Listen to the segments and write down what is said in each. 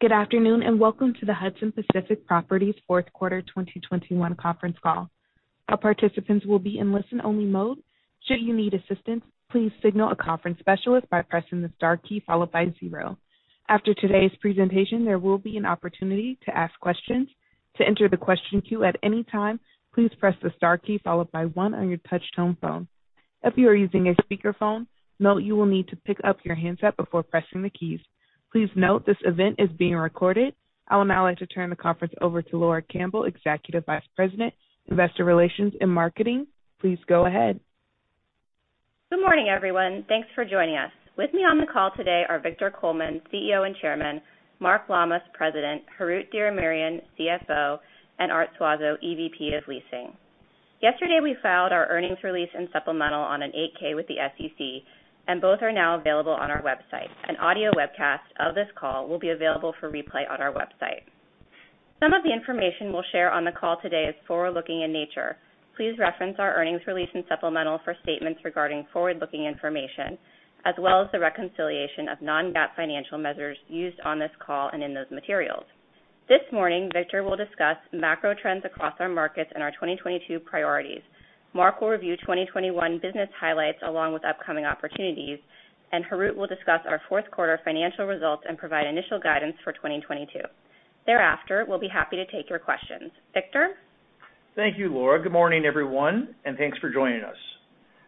Good afternoon, and welcome to the Hudson Pacific Properties fourth quarter 2021 conference conference call. All participants will be in listen-only mode. Should you need assistance, please signal a conference specialist by pressing the star key followed by zero. After today's presentation, there will be an opportunity to ask questions. To enter the question queue at any time, please press the star key followed by one on your touchtone phone. If you are using a speakerphone, note you will need to pick up your handset before pressing the keys. Please note this event is being recorded. I would now like to turn the conference over to Laura Campbell, Executive Vice President, Investor Relations and Marketing. Please go ahead. Good morning, everyone. Thanks for joining us. With me on the call today are Victor Coleman, CEO and Chairman, Mark Lammas, President, Harout Diramerian, CFO, and Art Suazo, EVP of Leasing. Yesterday, we filed our earnings release and supplemental on a 8-K with the SEC, and both are now available on our website. An audio webcast of this call will be available for replay on our website. Some of the information we'll share on the call today is forward-looking in nature. Please reference our earnings release and supplemental for statements regarding forward-looking information, as well as the reconciliation of non-GAAP financial measures used on this call and in those materials. This morning, Victor will discuss macro trends across our markets and our 2022 priorities. Mark will review 2021 business highlights along with upcoming opportunities, and Harout will discuss our fourth quarter financial results and provide initial guidance for 2022. Thereafter, we'll be happy to take your questions. Victor? Thank you, Laura. Good morning, everyone, and thanks for joining us.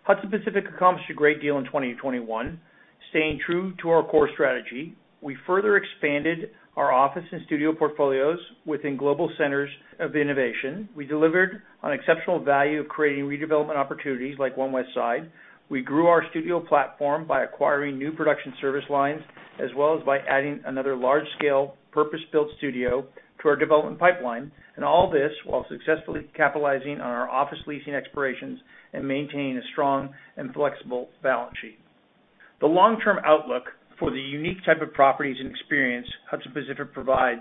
Hudson Pacific accomplished a great deal in 2021. Staying true to our core strategy, we further expanded our office and studio portfolios within global centers of innovation. We delivered on exceptional value of creating redevelopment opportunities like One Westside. We grew our studio platform by acquiring new production service lines, as well as by adding another large-scale purpose-built studio to our development pipeline. All this while successfully capitalizing on our office leasing expirations and maintaining a strong and flexible balance sheet. The long-term outlook for the unique type of properties and experience Hudson Pacific provides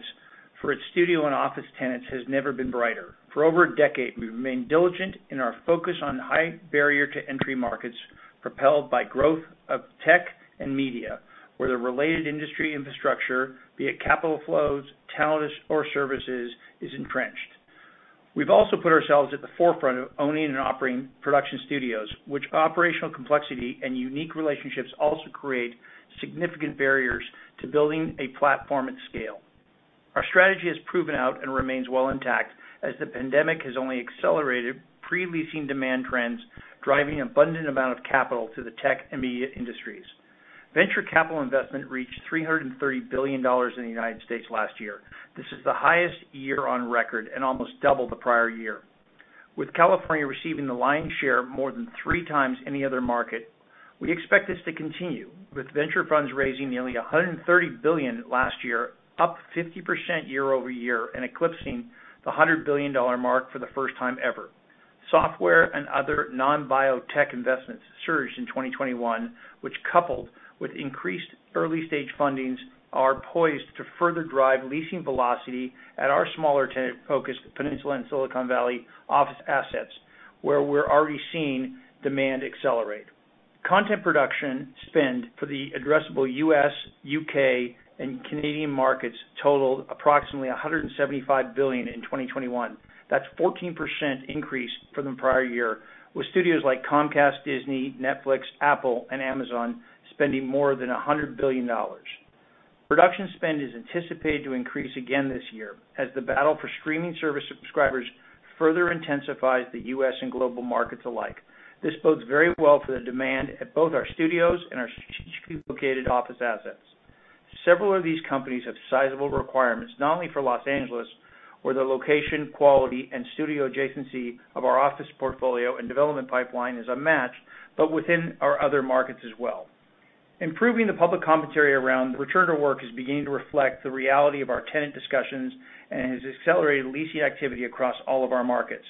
for its studio and office tenants has never been brighter. For over a decade, we've remained diligent in our focus on high barrier to entry markets propelled by growth of tech and media, where the related industry infrastructure, be it capital flows, talent, or services, is entrenched. We've also put ourselves at the forefront of owning and operating production studios, which operational complexity and unique relationships also create significant barriers to building a platform at scale. Our strategy has proven out and remains well intact as the pandemic has only accelerated pre-leasing demand trends, driving abundant capital to the tech and media industries. Venture capital investment reached $330 billion in the United States last year. This is the highest year on record and almost double the prior year. With California receiving the lion's share more than three times any other market, we expect this to continue, with venture funds raising nearly $130 billion last year, up 50% year-over-year and eclipsing the $100 billion mark for the first time ever. Software and other non-biotech investments surged in 2021, which coupled with increased early stage fundings, are poised to further drive leasing velocity at our smaller tenant-focused Peninsula and Silicon Valley office assets, where we're already seeing demand accelerate. Content production spend for the addressable U.S., U.K., and Canadian markets totaled approximately $175 billion in 2021. That's 14% increase from the prior year, with studios like Comcast, Disney, Netflix, Apple, and Amazon spending more than $100 billion. Production spend is anticipated to increase again this year as the battle for streaming service subscribers further intensifies the U.S. and global markets alike. This bodes very well for the demand at both our studios and our strategically located office assets. Several of these companies have sizable requirements, not only for Los Angeles, where the location, quality, and studio adjacency of our office portfolio and development pipeline is unmatched, but within our other markets as well. Improving the public commentary around the return to work is beginning to reflect the reality of our tenant discussions and has accelerated leasing activity across all of our markets.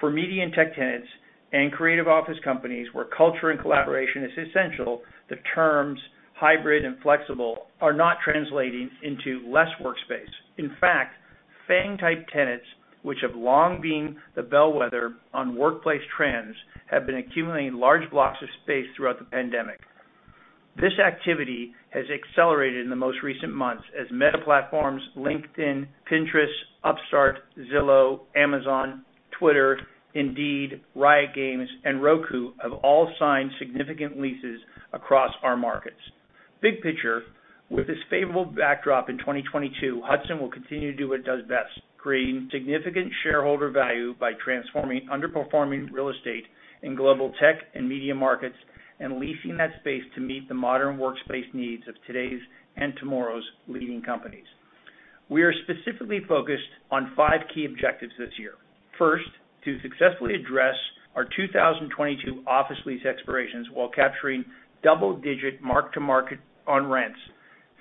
For media and tech tenants and creative office companies where culture and collaboration is essential, the terms hybrid and flexible are not translating into less workspace. In fact, FAANG-type tenants, which have long been the bellwether on workplace trends, have been accumulating large blocks of space throughout the pandemic. This activity has accelerated in the most recent months as Meta Platforms, LinkedIn, Pinterest, Upstart, Zillow, Amazon, Twitter, Indeed, Riot Games, and Roku have all signed significant leases across our markets. Big picture, with this favorable backdrop in 2022, Hudson will continue to do what it does best, creating significant shareholder value by transforming underperforming real estate in global tech and media markets and leasing that space to meet the modern workspace needs of today's and tomorrow's leading companies. We are specifically focused on five key objectives this year. First, to successfully address our 2022 office lease expirations while capturing double-digit mark-to-market on rents.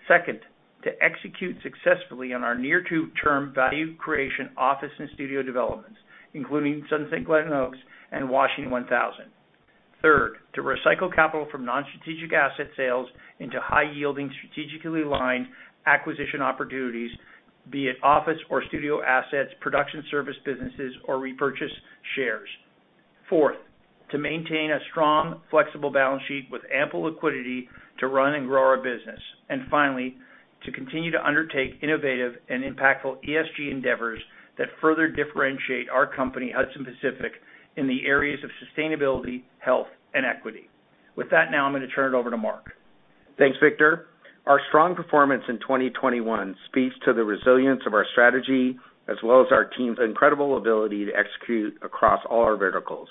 Second, to execute successfully on our near-term value creation office and studio developments, including Sunset Glenoaks Studios and Washington 1000. Third, to recycle capital from non-strategic asset sales into high-yielding strategically aligned acquisition opportunities, be it office or studio assets, production service businesses or repurchase shares. Fourth, to maintain a strong, flexible balance sheet with ample liquidity to run and grow our business. Finally, to continue to undertake innovative and impactful ESG endeavors that further differentiate our company, Hudson Pacific, in the areas of sustainability, health, and equity. With that, now I'm gonna turn it over to Mark. Thanks, Victor. Our strong performance in 2021 speaks to the resilience of our strategy, as well as our team's incredible ability to execute across all our verticals.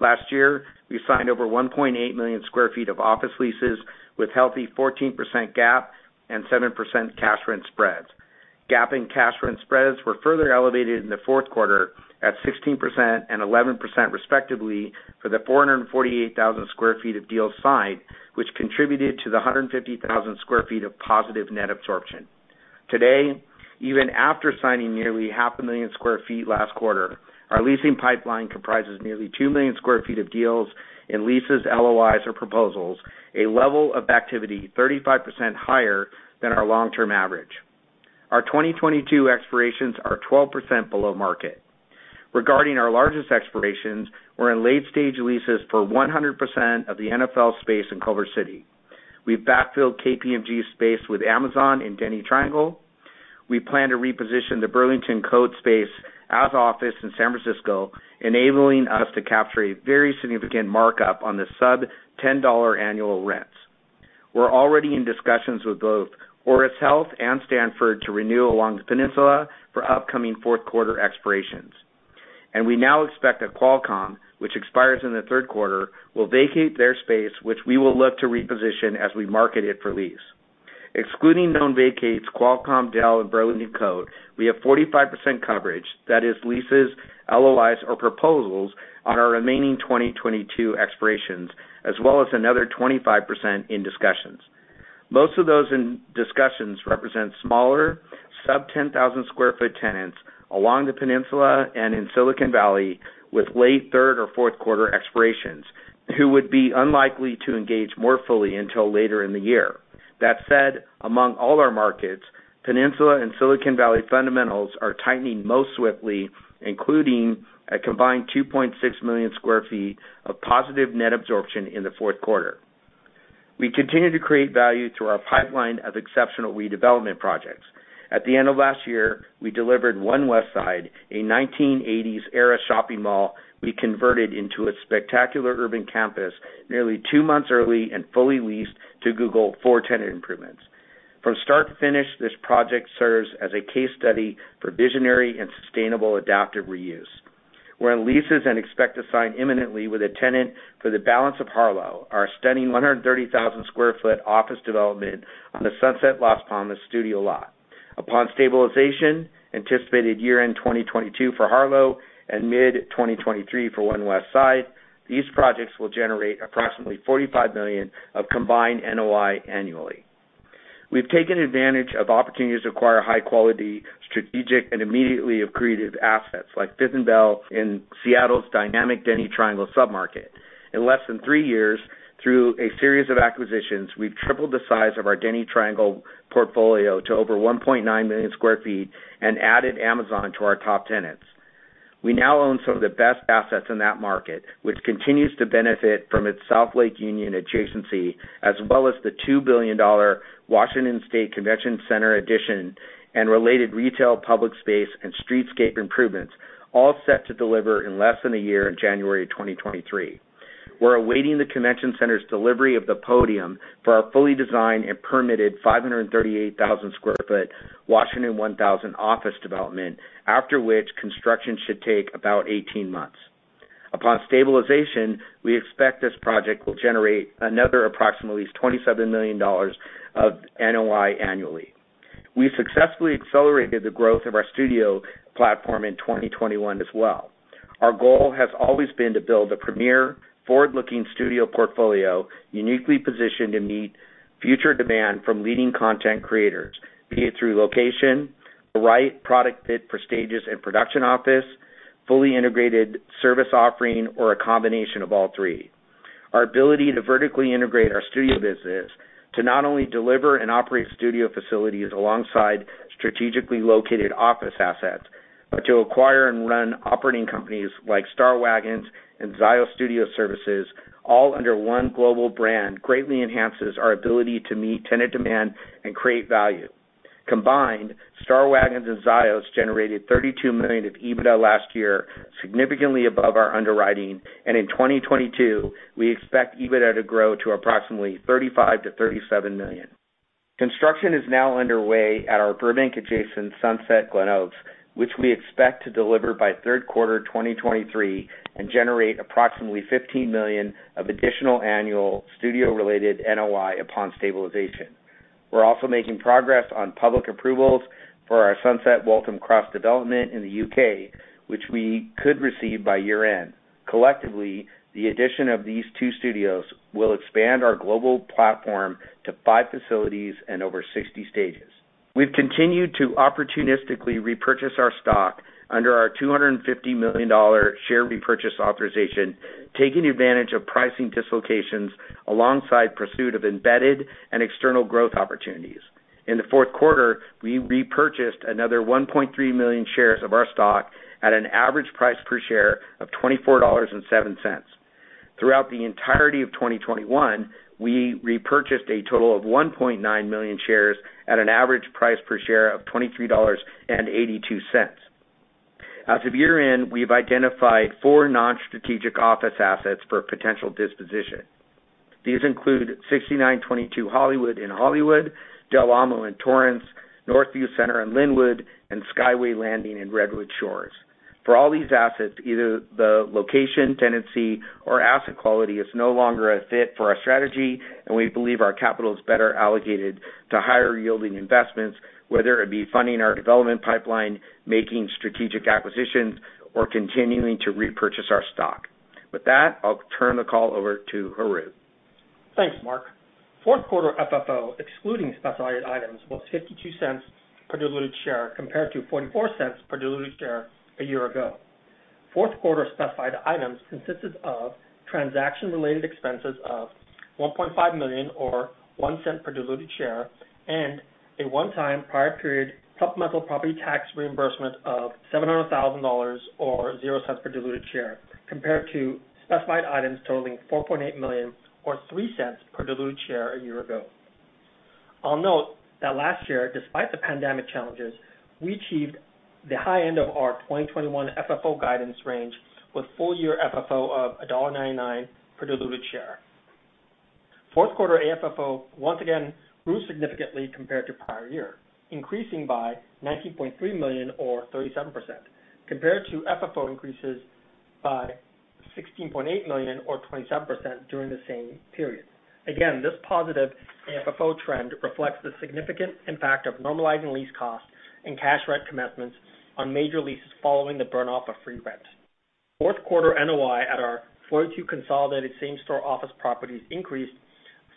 Last year, we signed over 1.8 million sq ft of office leases with healthy 14% GAAP and 7% cash rent spreads. GAAP and cash rent spreads were further elevated in the fourth quarter at 16% and 11% respectively for the 448,000 sq ft of deals signed, which contributed to the 150,000 sq ft of positive net absorption. Today, even after signing nearly 0.5 million sq ft last quarter, our leasing pipeline comprises nearly 2 million sq ft of deals in leases, LOIs or proposals, a level of activity 35% higher than our long-term average. Our 2022 expirations are 12% below market. Regarding our largest expirations, we're in late stage leases for 100% of the NFL space in Culver City. We've backfilled KPMG space with Amazon in Denny Triangle. We plan to reposition the Burlington Coat space as office in San Francisco, enabling us to capture a very significant markup on the sub-$10 annual rents. We're already in discussions with both Auris Health and Stanford to renew along the peninsula for upcoming fourth quarter expirations. We now expect that Qualcomm, which expires in the third quarter, will vacate their space, which we will look to reposition as we market it for lease. Excluding known vacates, Qualcomm, Dell, and Burlington Coat, we have 45% coverage, that is leases, LOIs, or proposals, on our remaining 2022 expirations, as well as another 25% in discussions. Most of those in discussions represent smaller sub-10,000 sq ft tenants along the peninsula and in Silicon Valley with late third or fourth quarter expirations, who would be unlikely to engage more fully until later in the year. That said, among all our markets, Peninsula and Silicon Valley fundamentals are tightening most swiftly, including a combined 2.6 million sq ft of positive net absorption in the fourth quarter. We continue to create value through our pipeline of exceptional redevelopment projects. At the end of last year, we delivered One Westside, a 1980s-era shopping mall we converted into a spectacular urban campus nearly two months early and fully leased to Google for tenant improvements. From start to finish, this project serves as a case study for visionary and sustainable adaptive reuse. We're on leases and expect to sign imminently with a tenant for the balance of Harlow, our stunning 130,000 sq ft office development on the Sunset Las Palmas Studio lot. Upon stabilization, anticipated year-end 2022 for Harlow and mid-2023 for One Westside, these projects will generate approximately $45 million of combined NOI annually. We've taken advantage of opportunities to acquire high quality, strategic, and immediately accretive assets like 5th and Bell in Seattle's dynamic Denny Triangle submarket. In less than three years, through a series of acquisitions, we've tripled the size of our Denny Triangle portfolio to over 1.9 million sq ft and added Amazon to our top tenants. We now own some of the best assets in that market, which continues to benefit from its South Lake Union adjacency, as well as the $2 billion Washington State Convention Center addition and related retail public space and streetscape improvements, all set to deliver in less than a year in January 2023. We're awaiting the convention center's delivery of the podium for our fully designed and permitted 538,000 sq ft Washington 1000 office development, after which construction should take about 18 months. Upon stabilization, we expect this project will generate another approximately $27 million of NOI annually. We successfully accelerated the growth of our studio platform in 2021 as well. Our goal has always been to build a premier, forward-looking studio portfolio uniquely positioned to meet future demand from leading content creators, be it through location, the right product fit for stages and production office, fully integrated service offering, or a combination of all three. Our ability to vertically integrate our studio business to not only deliver and operate studio facilities alongside strategically located office assets, but to acquire and run operating companies like Star Waggons and Zio Studio Services, all under one global brand, greatly enhances our ability to meet tenant demand and create value. Combined, Star Waggons and Zio's generated $32 million of EBITDA last year, significantly above our underwriting. In 2022, we expect EBITDA to grow to approximately $35 million-$37 million. Construction is now underway at our Burbank adjacent Sunset Glenoaks, which we expect to deliver by third quarter 2023 and generate approximately $15 million of additional annual studio-related NOI upon stabilization. We're also making progress on public approvals for our Sunset Waltham Cross development in the U.K., which we could receive by year-end. Collectively, the addition of these two studios will expand our global platform to five facilities and over 60 stages. We've continued to opportunistically repurchase our stock under our $250 million share repurchase authorization, taking advantage of pricing dislocations alongside pursuit of embedded and external growth opportunities. In the fourth quarter, we repurchased another 1.3 million shares of our stock at an average price per share of $24.07. Throughout the entirety of 2021, we repurchased a total of 1.9 million shares at an average price per share of $23.82. As of year-end, we've identified four non-strategic office assets for potential disposition. These include 6922 Hollywood in Hollywood, Del Amo in Torrance, Northview Center in Lynnwood, and Skyway Landing in Redwood Shores. For all these assets, either the location, tenancy, or asset quality is no longer a fit for our strategy, and we believe our capital is better allocated to higher-yielding investments, whether it be funding our development pipeline, making strategic acquisitions, or continuing to repurchase our stock. With that, I'll turn the call over to Harout. Thanks, Mark. Fourth quarter FFO, excluding specified items, was $0.52 per diluted share compared to $0.44 per diluted share a year ago. Fourth quarter specified items consisted of transaction-related expenses of $1.5 million or $0.01 per diluted share and a one-time prior period supplemental property tax reimbursement of $700,000 or 0 cents per diluted share, compared to specified items totaling $4.8 million or $0.03 per diluted share a year ago. I'll note that last year, despite the pandemic challenges, we achieved the high end of our 2021 FFO guidance range with full-year FFO of $1.99 per diluted share. Fourth quarter AFFO once again grew significantly compared to prior year, increasing by $19.3 million or 37% compared to FFO increases by $16.8 million or 27% during the same period. Again, this positive AFFO trend reflects the significant impact of normalizing lease costs and cash rent commitments on major leases following the burn-off of free rent. Fourth quarter NOI at our 42 consolidated same-store office properties increased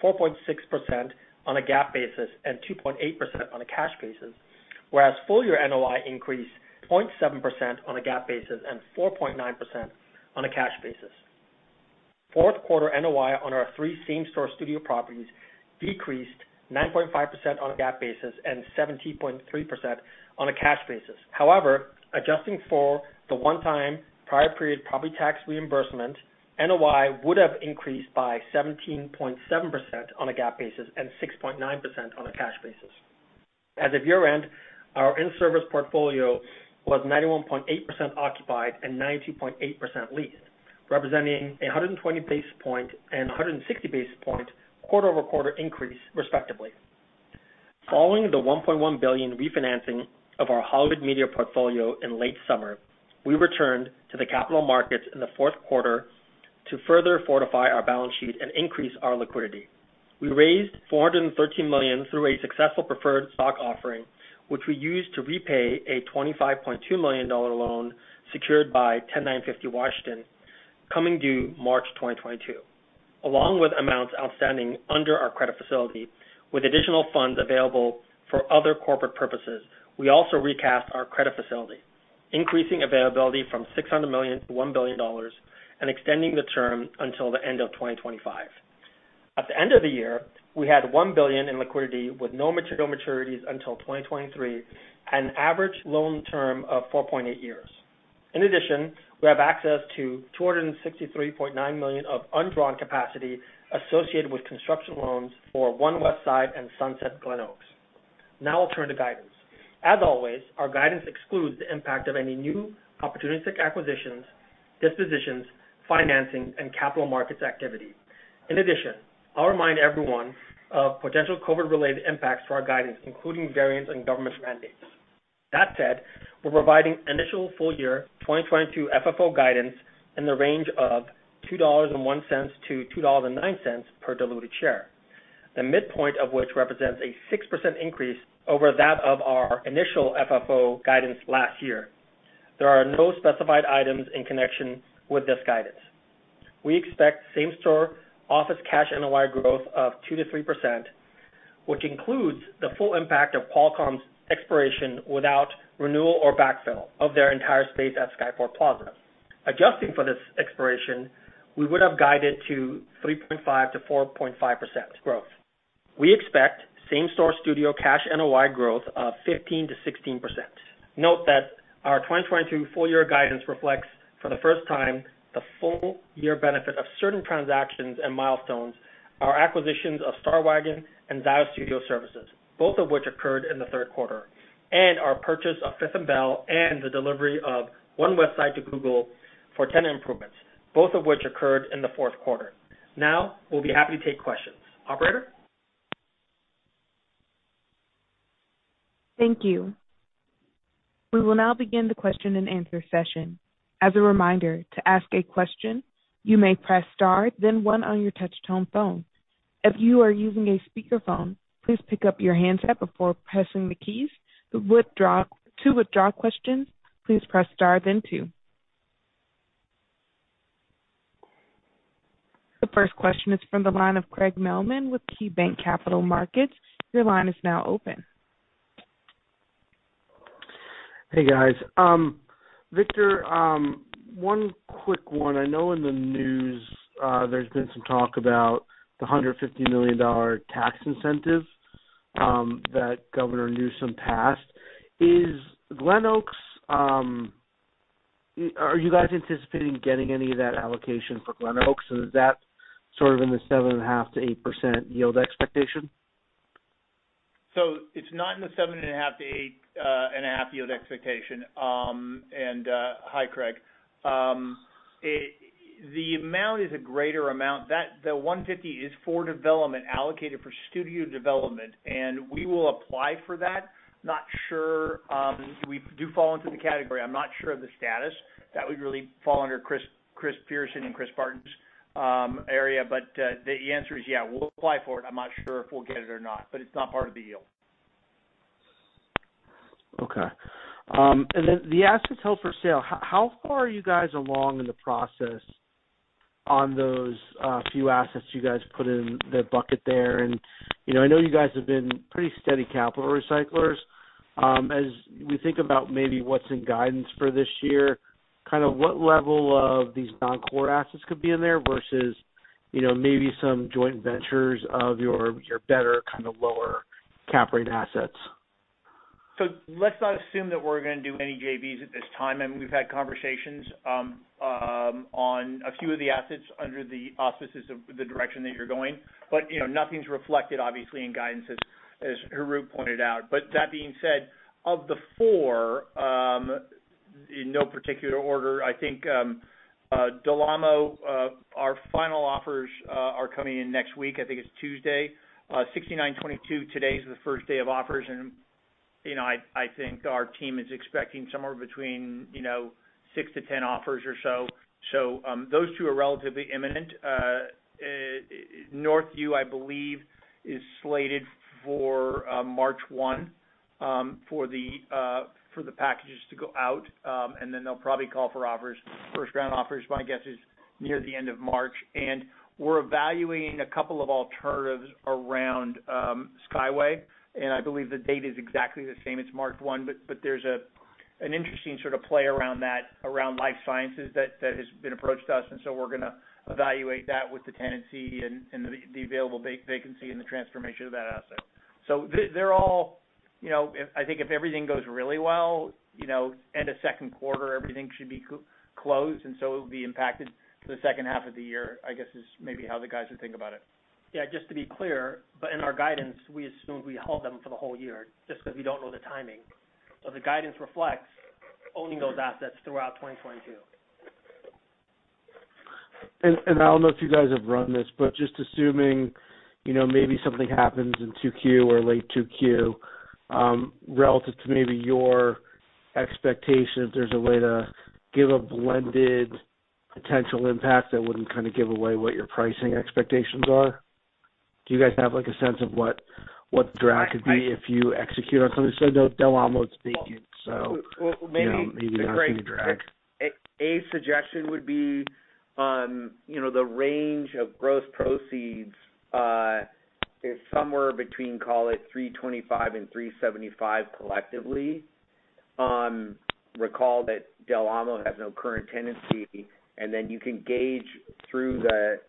4.6% on a GAAP basis and 2.8% on a cash basis, whereas full-year NOI increased 0.7% on a GAAP basis and 4.9% on a cash basis. Fourth quarter NOI on our three same-store studio properties decreased 9.5% on a GAAP basis and 17.3% on a cash basis. However, adjusting for the one-time prior period property tax reimbursement, NOI would have increased by 17.7% on a GAAP basis and 6.9% on a cash basis. As of year-end, our in-service portfolio was 91.8% occupied and 92.8% leased, representing a 120 basis point and a 160 basis point quarter-over-quarter increase, respectively. Following the $1.1 billion refinancing of our Hollywood media portfolio in late summer, we returned to the capital markets in the fourth quarter to further fortify our balance sheet and increase our liquidity. We raised $413 million through a successful preferred stock offering, which we used to repay a $25.2 million loan secured by 10950 Washington, coming due March 2022. Along with amounts outstanding under our credit facility, with additional funds available for other corporate purposes, we also recast our credit facility, increasing availability from $600 million to $1 billion and extending the term until the end of 2025. At the end of the year, we had $1 billion in liquidity with no material maturities until 2023 and average loan term of 4.8 years. In addition, we have access to $263.9 million of undrawn capacity associated with construction loans for One Westside and Sunset Glenoaks. Now I'll turn to guidance. As always, our guidance excludes the impact of any new opportunistic acquisitions, dispositions, financing, and capital markets activity. In addition, I'll remind everyone of potential COVID-related impacts to our guidance, including variants and government mandates. That said, we're providing initial full year 2022 FFO guidance in the range of $2.01-$2.09 per diluted share. The midpoint of which represents a 6% increase over that of our initial FFO guidance last year. There are no specified items in connection with this guidance. We expect same store office cash NOI growth of 2%-3%, which includes the full impact of Qualcomm's expiration without renewal or backfill of their entire space at Skyport Plaza. Adjusting for this expiration, we would have guided to 3.5%-4.5% growth. We expect same store studio cash NOI growth of 15%-16%. Note that our 2022 full year guidance reflects, for the first time, the full year benefit of certain transactions and milestones, our acquisitions of Star Waggons and Zio Studio Services, both of which occurred in the third quarter, and our purchase of 5th and Bell and the delivery of One Westside to Google for tenant improvements, both of which occurred in the fourth quarter. Now we'll be happy to take questions. Operator? Thank you. We will now begin the question and answer session. As a reminder, to ask a question, you may press star then one on your touch tone phone. If you are using a speakerphone, please pick up your handset before pressing the keys. To withdraw questions, please press star then two. The first question is from the line of Craig Mailman with KeyBanc Capital Markets. Your line is now open. Hey guys. Victor, one quick one. I know in the news, there's been some talk about the $150 million tax incentive that Governor Newsom passed. Are you guys anticipating getting any of that allocation for Glenoaks? And is that sort of in the 7.5%-8% yield expectation? It's not in the 7.5%-8.5% yield expectation. Hi, Craig. The amount is a greater amount. The $150 is for development, allocated for studio development, and we will apply for that. Not sure we do fall into the category. I'm not sure of the status. That would really fall under Chris Pearson and Chris Barton's area. The answer is yeah, we'll apply for it. I'm not sure if we'll get it or not, but it's not part of the yield. Okay. The assets held for sale, how far are you guys along in the process on those few assets you guys put in the bucket there? You know, I know you guys have been pretty steady capital recyclers. As we think about maybe what's in guidance for this year, kind of what level of these non-core assets could be in there versus, you know, maybe some joint ventures of your better kind of lower cap rate assets. Let's not assume that we're gonna do any JVs at this time. We've had conversations on a few of the assets under the auspices of the direction that you're going. You know, nothing's reflected obviously in guidance as Harout Diramerian pointed out. That being said, of the four, in no particular order, I think Del Amo, our final offers are coming in next week. I think it's Tuesday, June 9, 2022, today, is the first day of offers. You know, I think our team is expecting somewhere between you know, six-10 offers or so. Those two are relatively imminent. Northview, I believe, is slated for March 1 for the packages to go out. And then they'll probably call for offers. First round offers, my guess, is near the end of March. We're evaluating a couple of alternatives around Skyway. I believe the date is exactly the same as March one. There's an interesting sort of play around that, around life sciences that has been approached to us, and we're gonna evaluate that with the tenancy and the available vacancy and the transformation of that asset. They're all, you know, I think if everything goes really well, you know, end of second quarter, everything should be closed, and so it would be impacted to the second half of the year, I guess, is maybe how the guys would think about it. Yeah, just to be clear, but in our guidance, we assumed we held them for the whole year, just 'cause we don't know the timing. The guidance reflects owning those assets throughout 2022. I don't know if you guys have run this, but just assuming, you know, maybe something happens in 2Q or late 2Q, relative to maybe your expectations, there's a way to give a blended potential impact that wouldn't kind of give away what your pricing expectations are. Do you guys have like a sense of what the drag could be if you execute on something? Del Amo's vacant, so, you know, maybe not seeing a drag. Well, maybe, Craig, a suggestion would be, you know, the range of gross proceeds is somewhere between, call it, $325 million-$375 million collectively. Recall that Del Amo has no current tenancy, and then you can gauge through the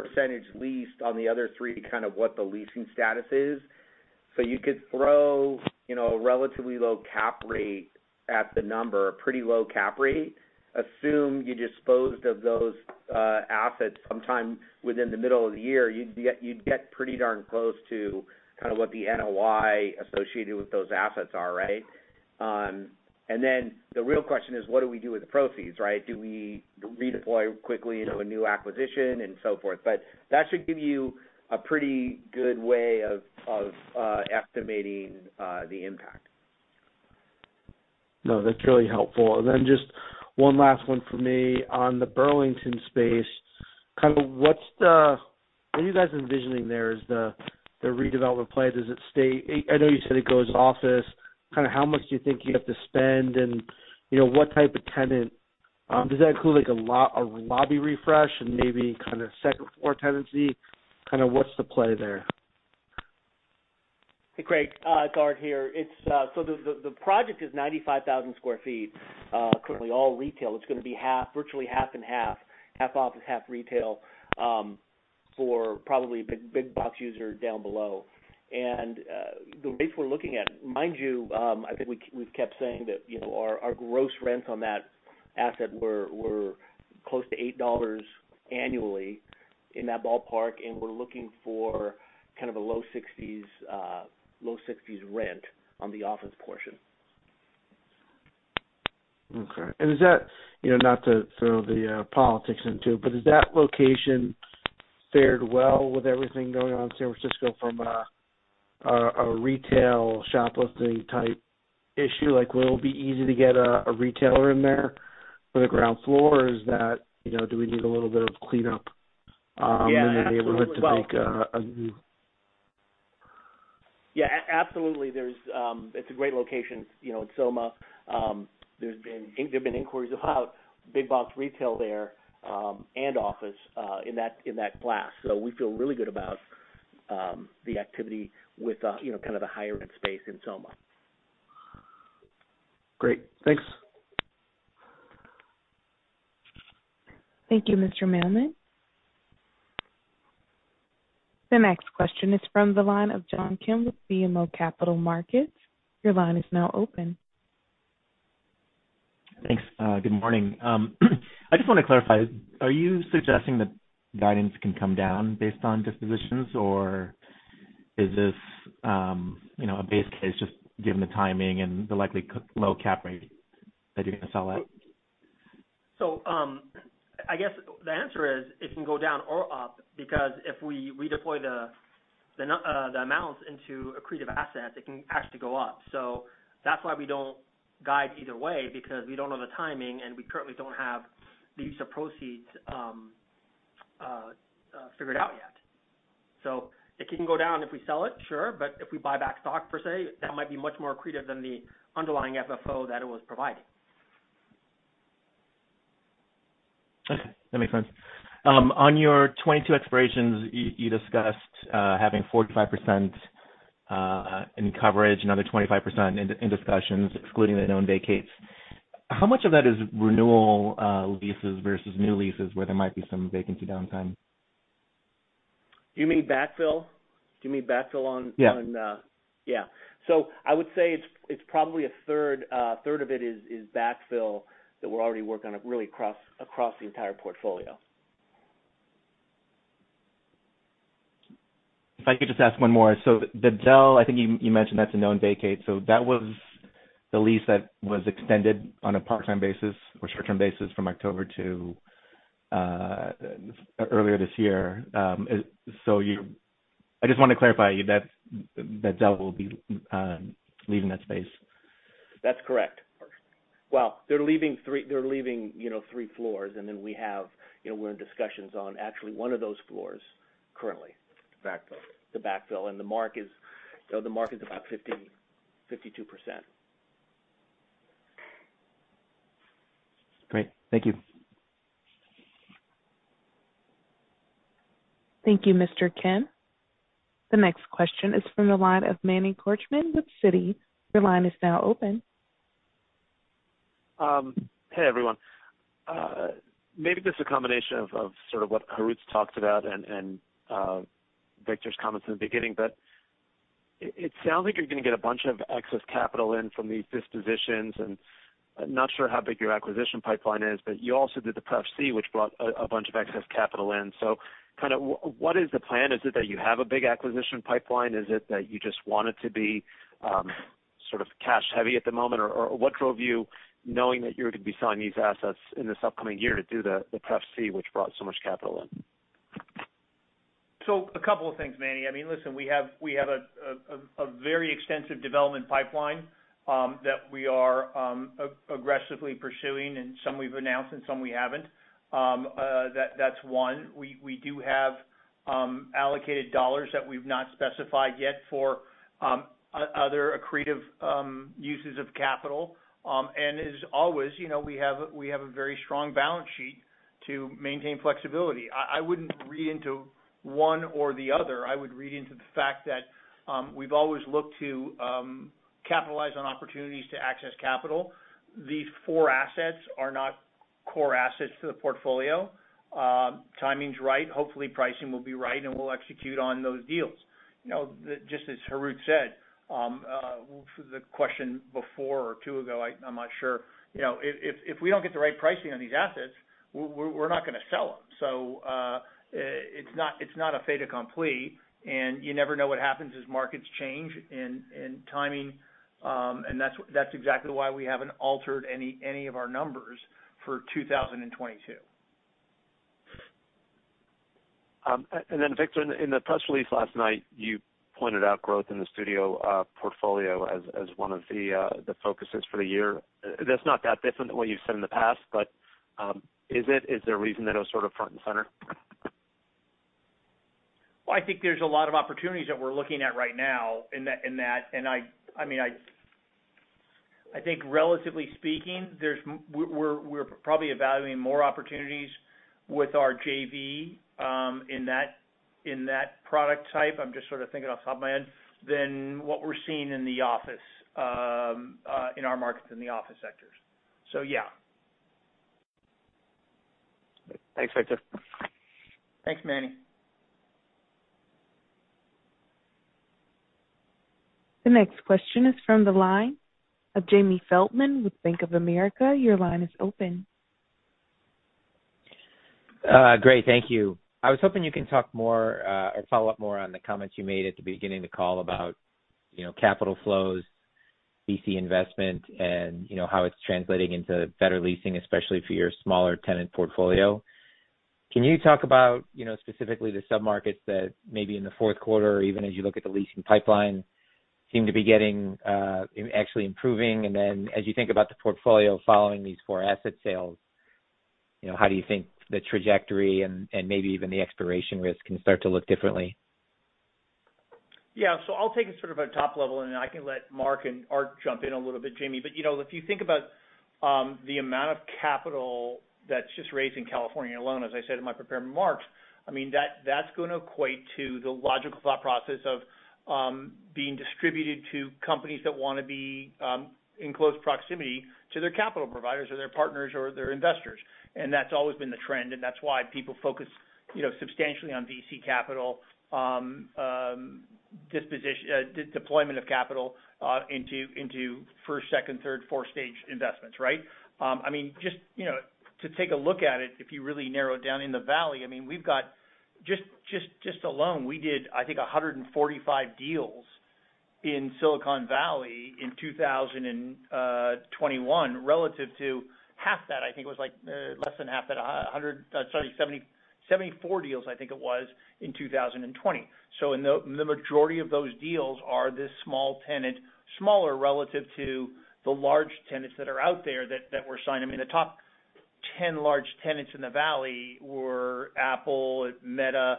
percentage leased on the other three kind of what the leasing status is. You could throw, you know, a relatively low cap rate at the number, a pretty low cap rate. Assume you disposed of those assets sometime within the middle of the year. You'd get pretty darn close to kind of what the NOI associated with those assets are, right? Then the real question is, what do we do with the proceeds, right? Do we redeploy quickly into a new acquisition and so forth? That should give you a pretty good way of estimating the impact. No, that's really helpful. Just one last one for me. On the Burlington space, what are you guys envisioning there as the redevelopment plan? Does it stay? I know you said it goes office. Kinda how much do you think you'd have to spend, and, you know, what type of tenant? Does that include like a lobby refresh and maybe kind of second floor tenancy? Kinda what's the play there? Hey, Craig, it's Art here. The project is 95,000 sq ft, currently all retail. It's gonna be half, virtually half and half office, half retail, for probably a big box user down below. The rates we're looking at, mind you, I think we've kept saying that, you know, our gross rents on that asset were close to $8 million annually in that ballpark, and we're looking for kind of a low $60 rent on the office portion. Okay. You know, not to throw the politics into it, but is that location fared well with everything going on in San Francisco from a retail shoplifting type issue? Like, will it be easy to get a retailer in there for the ground floor? Or is that, you know, do we need a little bit of cleanup? Yeah, absolutely. in the neighborhood to make a new Absolutely. It's a great location, you know, in SoMa. There've been inquiries about big box retail there, and office, in that class. We feel really good about the activity with, you know, kind of the higher end space in SoMa. Great. Thanks. Thank you, Mr. Mailman. The next question is from the line of John Kim with BMO Capital Markets. Your line is now open. Thanks. Good morning. I just want to clarify, are you suggesting that guidance can come down based on dispositions, or is this, you know, a base case just given the timing and the likely low cap rate that you're gonna sell at? I guess the answer is it can go down or up because if we redeploy the amounts into accretive assets, it can actually go up. That's why we don't guide either way, because we don't know the timing, and we currently don't have the use of proceeds figured out yet. It can go down if we sell it, sure. If we buy back stock per se, that might be much more accretive than the underlying FFO that it was providing. Okay, that makes sense. On your 2022 expirations, you discussed having 45% in coverage, another 25% in discussions excluding the known vacates. How much of that is renewal leases versus new leases where there might be some vacancy downtime? Do you mean backfill on- Yeah. I would say it's probably a third of it is backfill that we're already working on, really across the entire portfolio. If I could just ask one more. Dell, I think you mentioned that's a known vacate. That was the lease that was extended on a part-time basis or short-term basis from October to earlier this year. I just wanna clarify that Dell will be leaving that space. That's correct. Well, they're leaving, you know, three floors. Then we have, you know, we're in discussions on actually one of those floors currently. Backfill. To backfill. The mark is, you know, the mark is about 15%-52%. Great. Thank you. Thank you, Mr. Kim. The next question is from the line of Manny Korchman with Citi. Your line is now open. Hey, everyone. Maybe this is a combination of sort of what Harout talked about and Victor's comments in the beginning. It sounds like you're gonna get a bunch of excess capital in from these dispositions, and I'm not sure how big your acquisition pipeline is, but you also did the pref C, which brought a bunch of excess capital in. What is the plan? Is it that you have a big acquisition pipeline? Is it that you just want it to be sort of cash heavy at the moment? Or what drove you knowing that you were gonna be selling these assets in this upcoming year to do the pref C, which brought so much capital in? A couple of things, Manny. I mean, listen, we have a very extensive development pipeline that we are aggressively pursuing and some we've announced and some we haven't. That's one. We do have allocated dollars that we've not specified yet for other accretive uses of capital. As always, you know, we have a very strong balance sheet to maintain flexibility. I wouldn't read into one or the other. I would read into the fact that we've always looked to capitalize on opportunities to access capital. These four assets are not core assets to the portfolio. Timing's right. Hopefully, pricing will be right, and we'll execute on those deals. Just as Harout said, the question before or two ago, I'm not sure. You know, if we don't get the right pricing on these assets, we're not gonna sell them. It's not a fait accompli, and you never know what happens as markets change and timing. That's exactly why we haven't altered any of our numbers for 2022. Victor, in the press release last night, you pointed out growth in the studio portfolio as one of the focuses for the year. That's not that different than what you've said in the past, but is it? Is there a reason that it was sort of front and center? Well, I think there's a lot of opportunities that we're looking at right now in that. I mean, I think relatively speaking, we're probably evaluating more opportunities with our JV in that product type, I'm just sort of thinking off the top of my head, than what we're seeing in the office in our markets in the office sectors. Yeah. Thanks, Victor. Thanks, Manny. The next question is from the line of Jamie Feldman with Bank of America. Your line is open. Great. Thank you. I was hoping you can talk more, or follow up more on the comments you made at the beginning of the call about, you know, capital flows, VC investment, and you know, how it's translating into better leasing, especially for your smaller tenant portfolio. Can you talk about, you know, specifically the sub-markets that maybe in the fourth quarter or even as you look at the leasing pipeline, seem to be getting, actually improving? And then as you think about the portfolio following these four asset sales, you know, how do you think the trajectory and maybe even the expiration risk can start to look differently? Yeah. I'll take it sort of a top level, and then I can let Mark and Art jump in a little bit, Jamie. You know, if you think about the amount of capital that's just raised in California alone, as I said in my prepared remarks, I mean, that's gonna equate to the logical thought process of being distributed to companies that wanna be in close proximity to their capital providers or their partners or their investors. That's always been the trend, and that's why people focus, you know, substantially on VC capital, deployment of capital into first, second, third, fourth stage investments, right? I mean, just, you know, to take a look at it, if you really narrow it down in the valley, I mean, we've got just alone we did, I think, 145 deals in Silicon Valley in 2021 relative to half that. I think it was like less than half that, 74 deals, I think it was, in 2020. The majority of those deals are this small tenant, smaller relative to the large tenants that are out there that we're signing. I mean, the top 10 large tenants in the valley were Apple, Meta,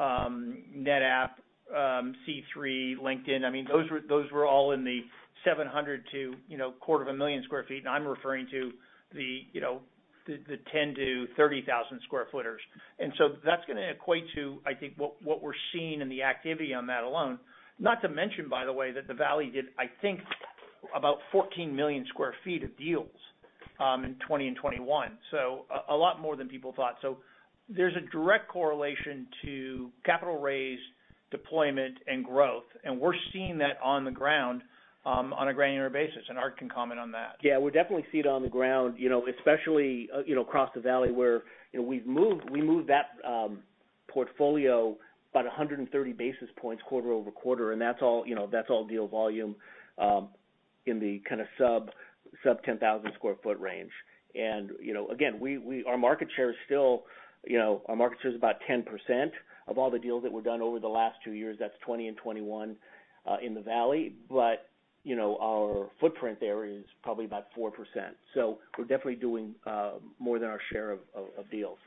NetApp, C3.ai, LinkedIn. I mean, those were all in the 700 to a quarter of a million sq ft, and I'm referring to you know the 10,000- to 30,000 sq ft. That's gonna equate to I think what we're seeing in the activity on that alone. Not to mention, by the way, that the valley did I think about 14 million sq ft of deals in 2020 and 2021. A lot more than people thought. There's a direct correlation to capital raise, deployment, and growth. We're seeing that on the ground on a granular basis, and Art can comment on that. Yeah. We definitely see it on the ground, you know, especially, you know, across the valley where, you know, we moved that portfolio about 130 basis points quarter over quarter, and that's all, you know, that's all deal volume in the kind of sub-10,000 sq ft range. You know, again, our market share is still, you know, about 10% of all the deals that were done over the last two years. That's 2020 and 2021 in the valley. You know, our footprint there is probably about 4%. We're definitely doing more than our share of deals.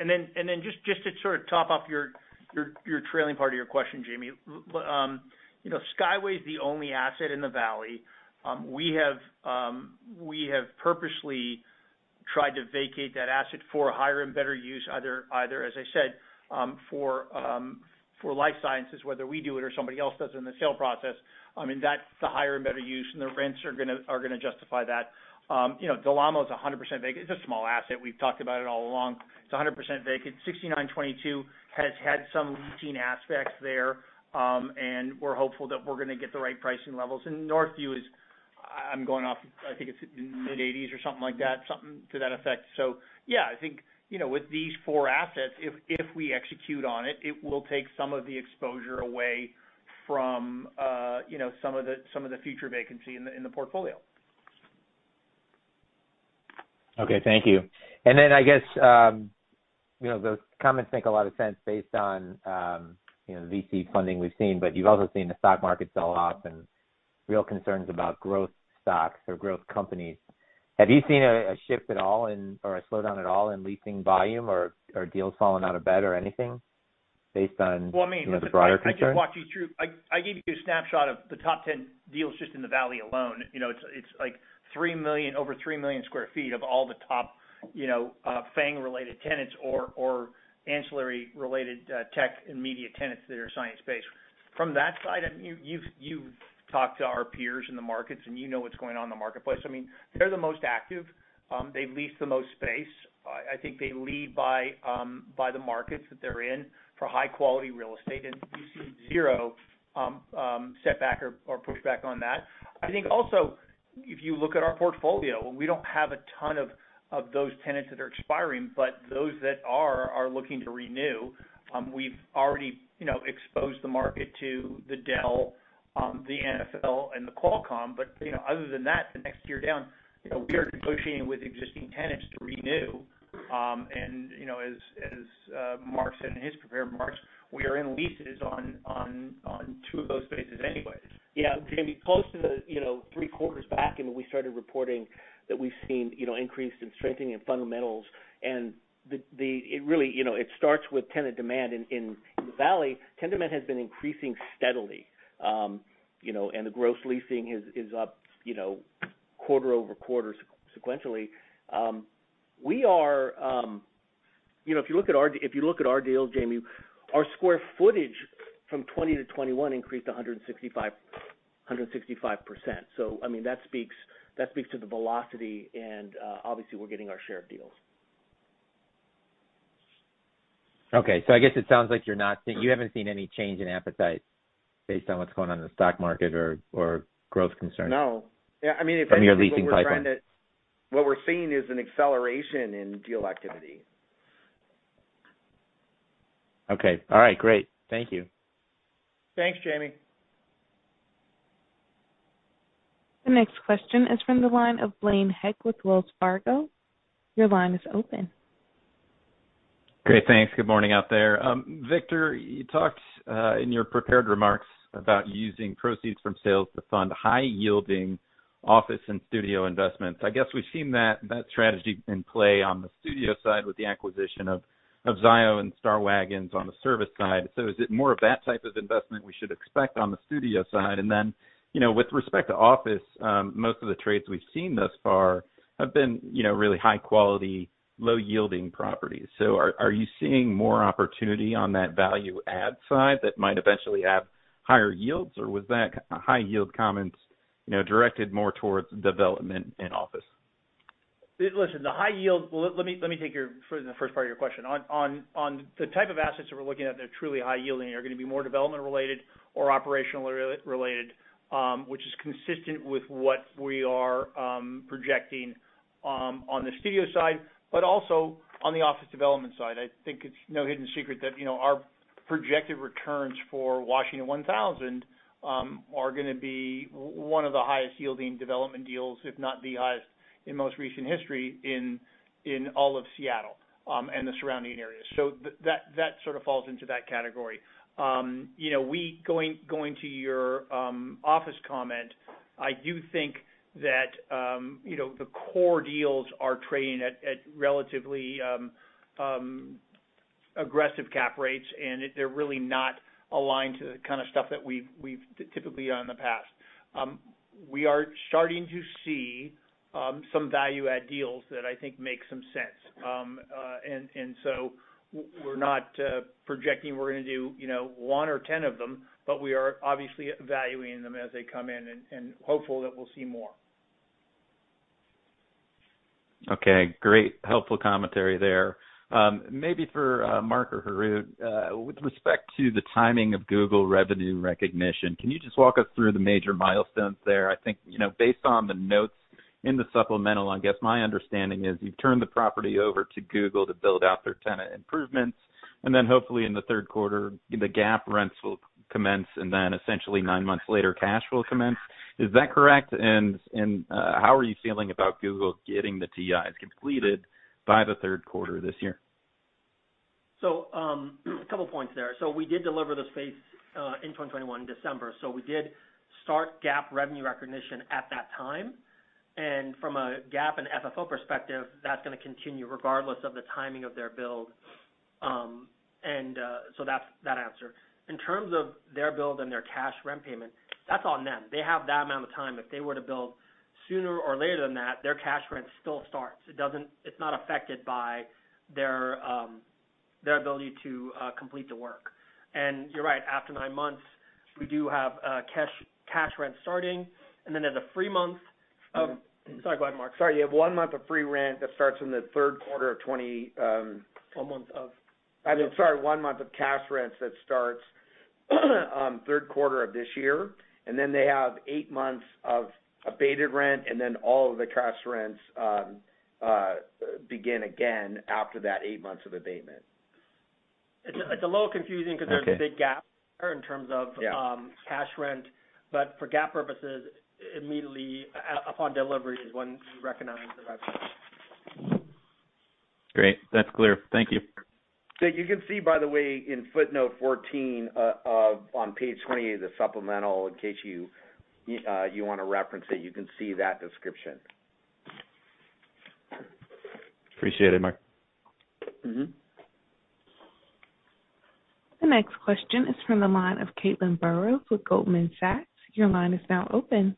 Just to sort of top off your trailing part of your question, Jamie. You know, Skyway's the only asset in the valley. We have purposely tried to vacate that asset for a higher and better use, either, as I said, for life sciences, whether we do it or somebody else does it in the sale process. I mean, that's the higher and better use, and the rents are gonna justify that. You know, Del Amo is 100% vacant. It's a small asset. We've talked about it all along. It's 100% vacant. 6922 has had some leasing aspects there, and we're hopeful that we're gonna get the right pricing levels. Northview is, I'm going off, I think it's in mid-80s or something like that, something to that effect. Yeah, I think, you know, with these four assets, if we execute on it will take some of the exposure away from, you know, some of the future vacancy in the portfolio. Okay. Thank you. I guess, you know, those comments make a lot of sense based on, you know, VC funding we've seen, but you've also seen the stock market sell-off and real concerns about growth stocks or growth companies. Have you seen a shift at all in or a slowdown at all in leasing volume or deals falling out of bed or anything based on- Well, I mean. You know, the broader concerns? I just walked you through. I gave you a snapshot of the top 10 deals just in the valley alone. You know, it's like over 3 million sq ft of all the top, you know, FAANG-related tenants or ancillary related tech and media tenants that are signing space. From that side, I mean, you've talked to our peers in the markets and you know what's going on in the marketplace. I mean, they're the most active. They lease the most space. I think they lead by the markets that they're in for high-quality real estate, and we've seen zero setback or pushback on that. I think also, if you look at our portfolio, we don't have a ton of those tenants that are expiring, but those that are are looking to renew. We've already, you know, exposed the market to the Dell, the NFL, and the Qualcomm. But, you know, other than that, the next tier down, you know, we are negotiating with existing tenants to renew. As Mark said in his prepared remarks, we are in leases on two of those spaces anyways. Yeah. Jamie, close to three quarters back and we started reporting that we've seen, you know, increase in strengthening in fundamentals. It really, you know, it starts with tenant demand. In the valley, tenant demand has been increasing steadily. You know, the gross leasing is up, you know, quarter-over-quarter sequentially. You know, if you look at our deals, Jamie, our square footage from 2020 to 2021 increased 165%. I mean, that speaks to the velocity, and obviously, we're getting our share of deals. Okay. I guess it sounds like you haven't seen any change in appetite based on what's going on in the stock market or growth concerns? No. Yeah, I mean, if anything, what we're trying to. From your leasing pipeline. What we're seeing is an acceleration in deal activity. Okay. All right. Great. Thank you. Thanks, Jamie. The next question is from the line of Blaine Heck with Wells Fargo. Your line is open. Great. Thanks. Good morning out there. Victor, you talked in your prepared remarks about using proceeds from sales to fund high-yielding office and studio investments. I guess we've seen that strategy in play on the studio side with the acquisition of Zio and Star Waggons on the service side. Is it more of that type of investment we should expect on the studio side? You know, with respect to office, most of the trades we've seen thus far have been, you know, really high quality, low yielding properties. Are you seeing more opportunity on that value add side that might eventually have higher yields? Or was that high yield comments you know, directed more towards development and office? Listen, the high yield. Let me take your for the first part of your question. On the type of assets that we're looking at that are truly high yielding are gonna be more development related or operational related, which is consistent with what we are projecting on the studio side, but also on the office development side. I think it's no hidden secret that, you know, our projected returns for Washington 1000 are gonna be one of the highest yielding development deals, if not the highest in most recent history in all of Seattle and the surrounding areas. That sort of falls into that category. You know, going to your office comment, I do think that you know, the core deals are trading at relatively aggressive cap rates, and they're really not aligned to the kind of stuff that we've typically owned in the past. We are starting to see some value add deals that I think make some sense. We're not projecting we're gonna do you know, one or 10 of them, but we are obviously evaluating them as they come in and hopeful that we'll see more. Okay, great. Helpful commentary there. Maybe for Mark or Harout, with respect to the timing of Google revenue recognition, can you just walk us through the major milestones there? I think, you know, based on the notes in the supplemental, I guess my understanding is you've turned the property over to Google to build out their tenant improvements, and then hopefully in the third quarter, the GAAP rents will commence, and then essentially nine months later, cash will commence. Is that correct? And how are you feeling about Google getting the TIs completed by the third quarter this year? A couple points there. We did deliver the space in December 2021. We did start GAAP revenue recognition at that time. From a GAAP and FFO perspective, that's gonna continue regardless of the timing of their build. That's that answer. In terms of their build and their cash rent payment, that's on them. They have that amount of time. If they were to build sooner or later than that, their cash rent still starts. It's not affected by their ability to complete the work. You're right. After nine months, we do have cash rent starting, and then there's a free month of... Sorry. Go ahead, Mark. Sorry. You have one month of free rent that starts in the third quarter of 20, 12 months of I'm sorry, one month of cash rents that starts third quarter of this year. They have eight months of abated rent, and then all of the cash rents begin again after that eight months of abatement. It's a little confusing. Okay. because there's a big gap there in terms of Yeah. Cash rent. For GAAP purposes, immediately upon delivery is when we recognize the revenue. Great. That's clear. Thank you. You can see, by the way, in footnote 14 on page 28 of the supplemental, in case you wanna reference it, you can see that description. Appreciate it, Mark. Mm-hmm. The next question is from the line of Caitlin Burrows with Goldman Sachs. Your line is now open.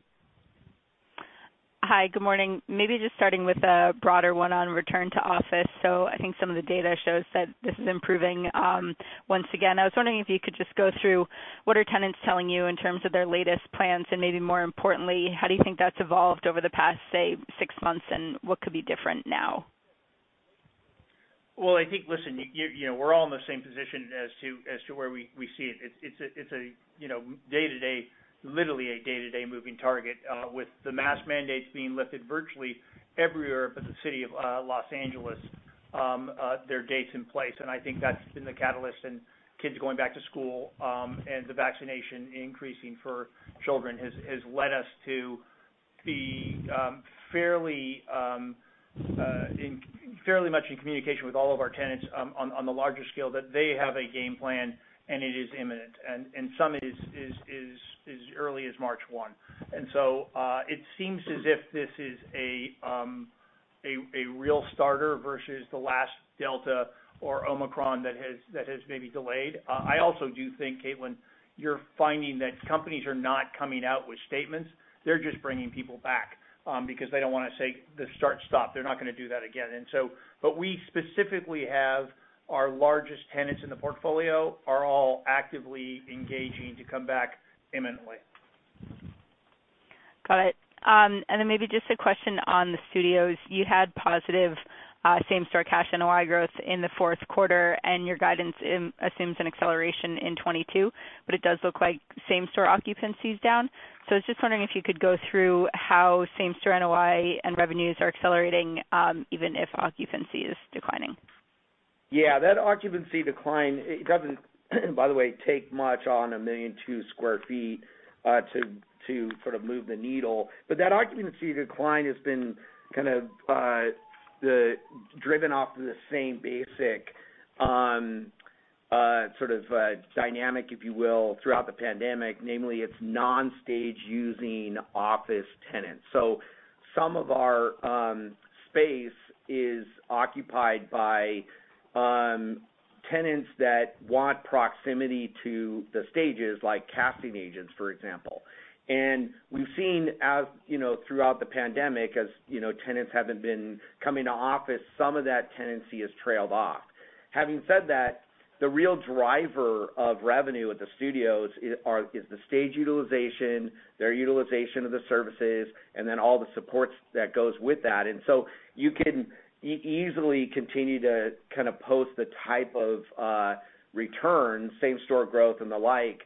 Hi. Good morning. Maybe just starting with a broader one on return to office. I think some of the data shows that this is improving once again. I was wondering if you could just go through what are tenants telling you in terms of their latest plans, and maybe more importantly, how do you think that's evolved over the past, say, six months, and what could be different now? Well, I think, listen, you know, we're all in the same position as to where we see it. It's a day-to-day moving target with the mask mandates being lifted virtually everywhere but the city of Los Angeles. There are dates in place. I think that's been the catalyst, and kids going back to school, and the vaccination increasing for children has led us to be fairly much in communication with all of our tenants on the larger scale that they have a game plan and it is imminent. Some as early as March 1. It seems as if this is a real starter versus the last Delta or Omicron that has maybe delayed. I also do think, Caitlin, you're finding that companies are not coming out with statements. They're just bringing people back because they don't wanna say the start, stop. They're not gonna do that again. We specifically have our largest tenants in the portfolio are all actively engaging to come back imminently. Got it. Maybe just a question on the studios. You had positive same-store cash NOI growth in the fourth quarter, and your guidance assumes an acceleration in 2022, but it does look like same-store occupancy is down. I was just wondering if you could go through how same-store NOI and revenues are accelerating, even if occupancy is declining. Yeah. That occupancy decline, it doesn't, by the way, take much on 1.2 million sq ft to sort of move the needle. That occupancy decline has been kind of driven off of the same basic sort of a dynamic, if you will, throughout the pandemic, namely its non-stage using office tenants. Some of our space is occupied by tenants that want proximity to the stages, like casting agents, for example. We've seen as, you know, throughout the pandemic, as, you know, tenants haven't been coming to office, some of that tenancy has trailed off. Having said that, the real driver of revenue at the studios is the stage utilization, their utilization of the services, and then all the supports that goes with that. You can easily continue to kind of post the type of return, same store growth and the like,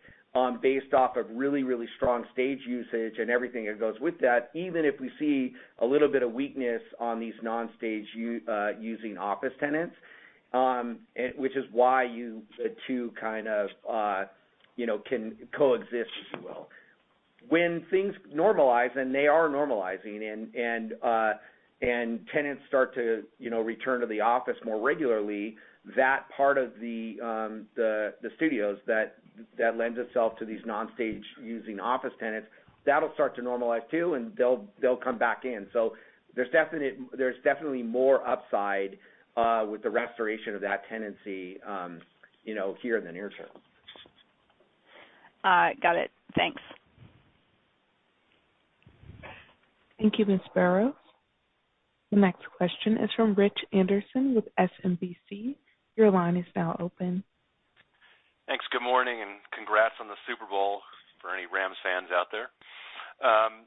based off of really strong stage usage and everything that goes with that, even if we see a little bit of weakness on these non-stage using office tenants. Which is why the two kind of, you know, can coexist, if you will. When things normalize, and they are normalizing, and tenants start to, you know, return to the office more regularly, that part of the studios that lends itself to these non-stage using office tenants, that'll start to normalize too, and they'll come back in. There's definitely more upside with the restoration of that tenancy, you know, here in the near term. Got it. Thanks. Thank you, Ms. Burrows. The next question is from Rich Anderson with SMBC. Your line is now open. Thanks. Good morning, and congrats on the Super Bowl for any Rams fans out there.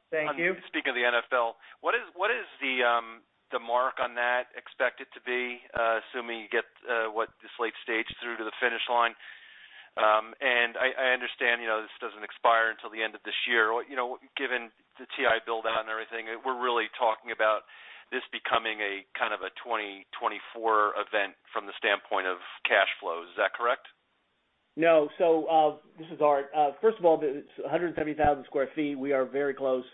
Thank you. Speaking of the NFL, what is the mark on that expected to be, assuming you get this late stage through to the finish line? I understand, you know, this doesn't expire until the end of this year. You know, given the TI build-out and everything, we're really talking about this becoming a kind of a 2024 event from the standpoint of cash flow. Is that correct? No. This is Art. First of all, it's 170,000 sq ft. We are very close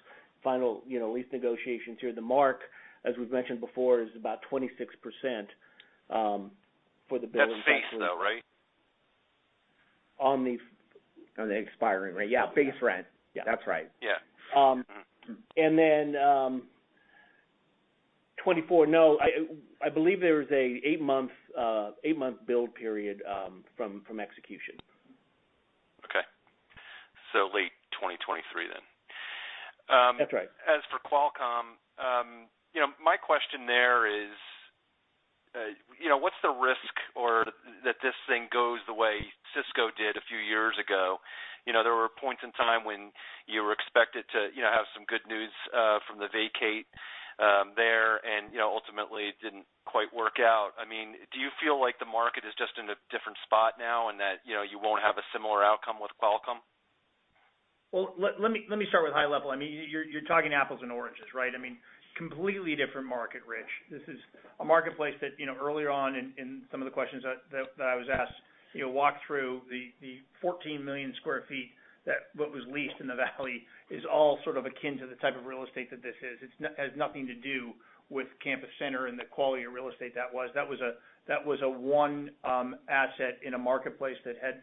final, you know, lease negotiations here. The mark, as we've mentioned before, is about 26% for the build and That's base, though, right? On the expiring, right? Yeah. Base rent. Base rent. Yeah. That's right. Yeah. I believe there's an eight-month build period from execution. Okay. Late 2023 then. That's right. As for Qualcomm, you know, my question there is, you know, what's the risk or that this thing goes the way Cisco did a few years ago? You know, there were points in time when you were expected to, you know, have some good news from the vacate there, and, you know, ultimately it didn't quite work out. I mean, do you feel like the market is just in a different spot now and that, you know, you won't have a similar outcome with Qualcomm? Well, let me start with high level. I mean, you're talking apples and oranges, right? I mean, completely different market, Rich. This is a marketplace that you know earlier on in some of the questions that I was asked you know walk through the 14 million sq ft that what was leased in the valley is all sort of akin to the type of real estate that this is. It has nothing to do with Campus Center and the quality of real estate that was. That was a one asset in a marketplace that had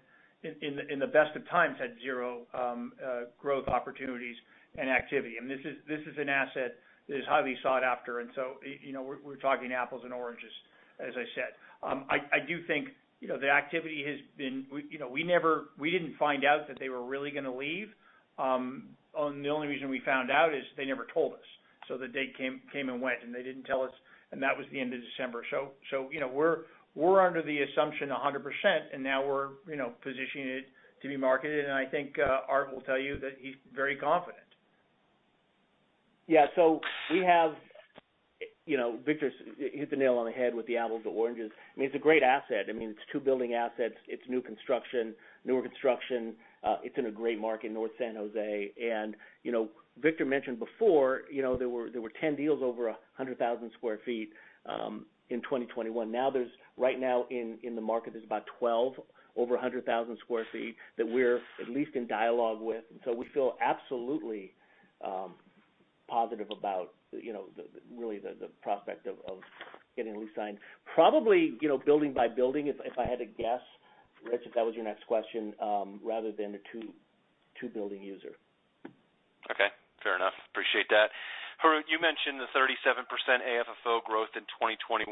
in the best of times had zero growth opportunities and activity. This is an asset that is highly sought after. You know, we're talking apples and oranges, as I said. I do think, you know, the activity has been. We, you know, we didn't find out that they were really gonna leave. The only reason we found out is they never told us. So the date came and went, and they didn't tell us, and that was the end of December. So, you know, we're under the assumption 100%, and now we're, you know, positioned to be marketed. I think Art will tell you that he's very confident. Yeah. We have. You know, Victor's hit the nail on the head with the apples, the oranges. I mean, it's a great asset. I mean, it's 2 building assets. It's new construction, newer construction. It's in a great market, North San Jose. You know, Victor mentioned before, you know, there were 10 deals over 100,000 sq ft in 2021. Now, right now in the market, there's about 12 over 100,000 sq ft that we're at least in dialogue with. We feel absolutely positive about really the prospect of getting a lease signed. Probably, you know, building by building if I had to guess, Rich, if that was your next question, rather than a two-building user. Okay, fair enough. Appreciate that. Harout, you mentioned the 37% AFFO growth in 2021.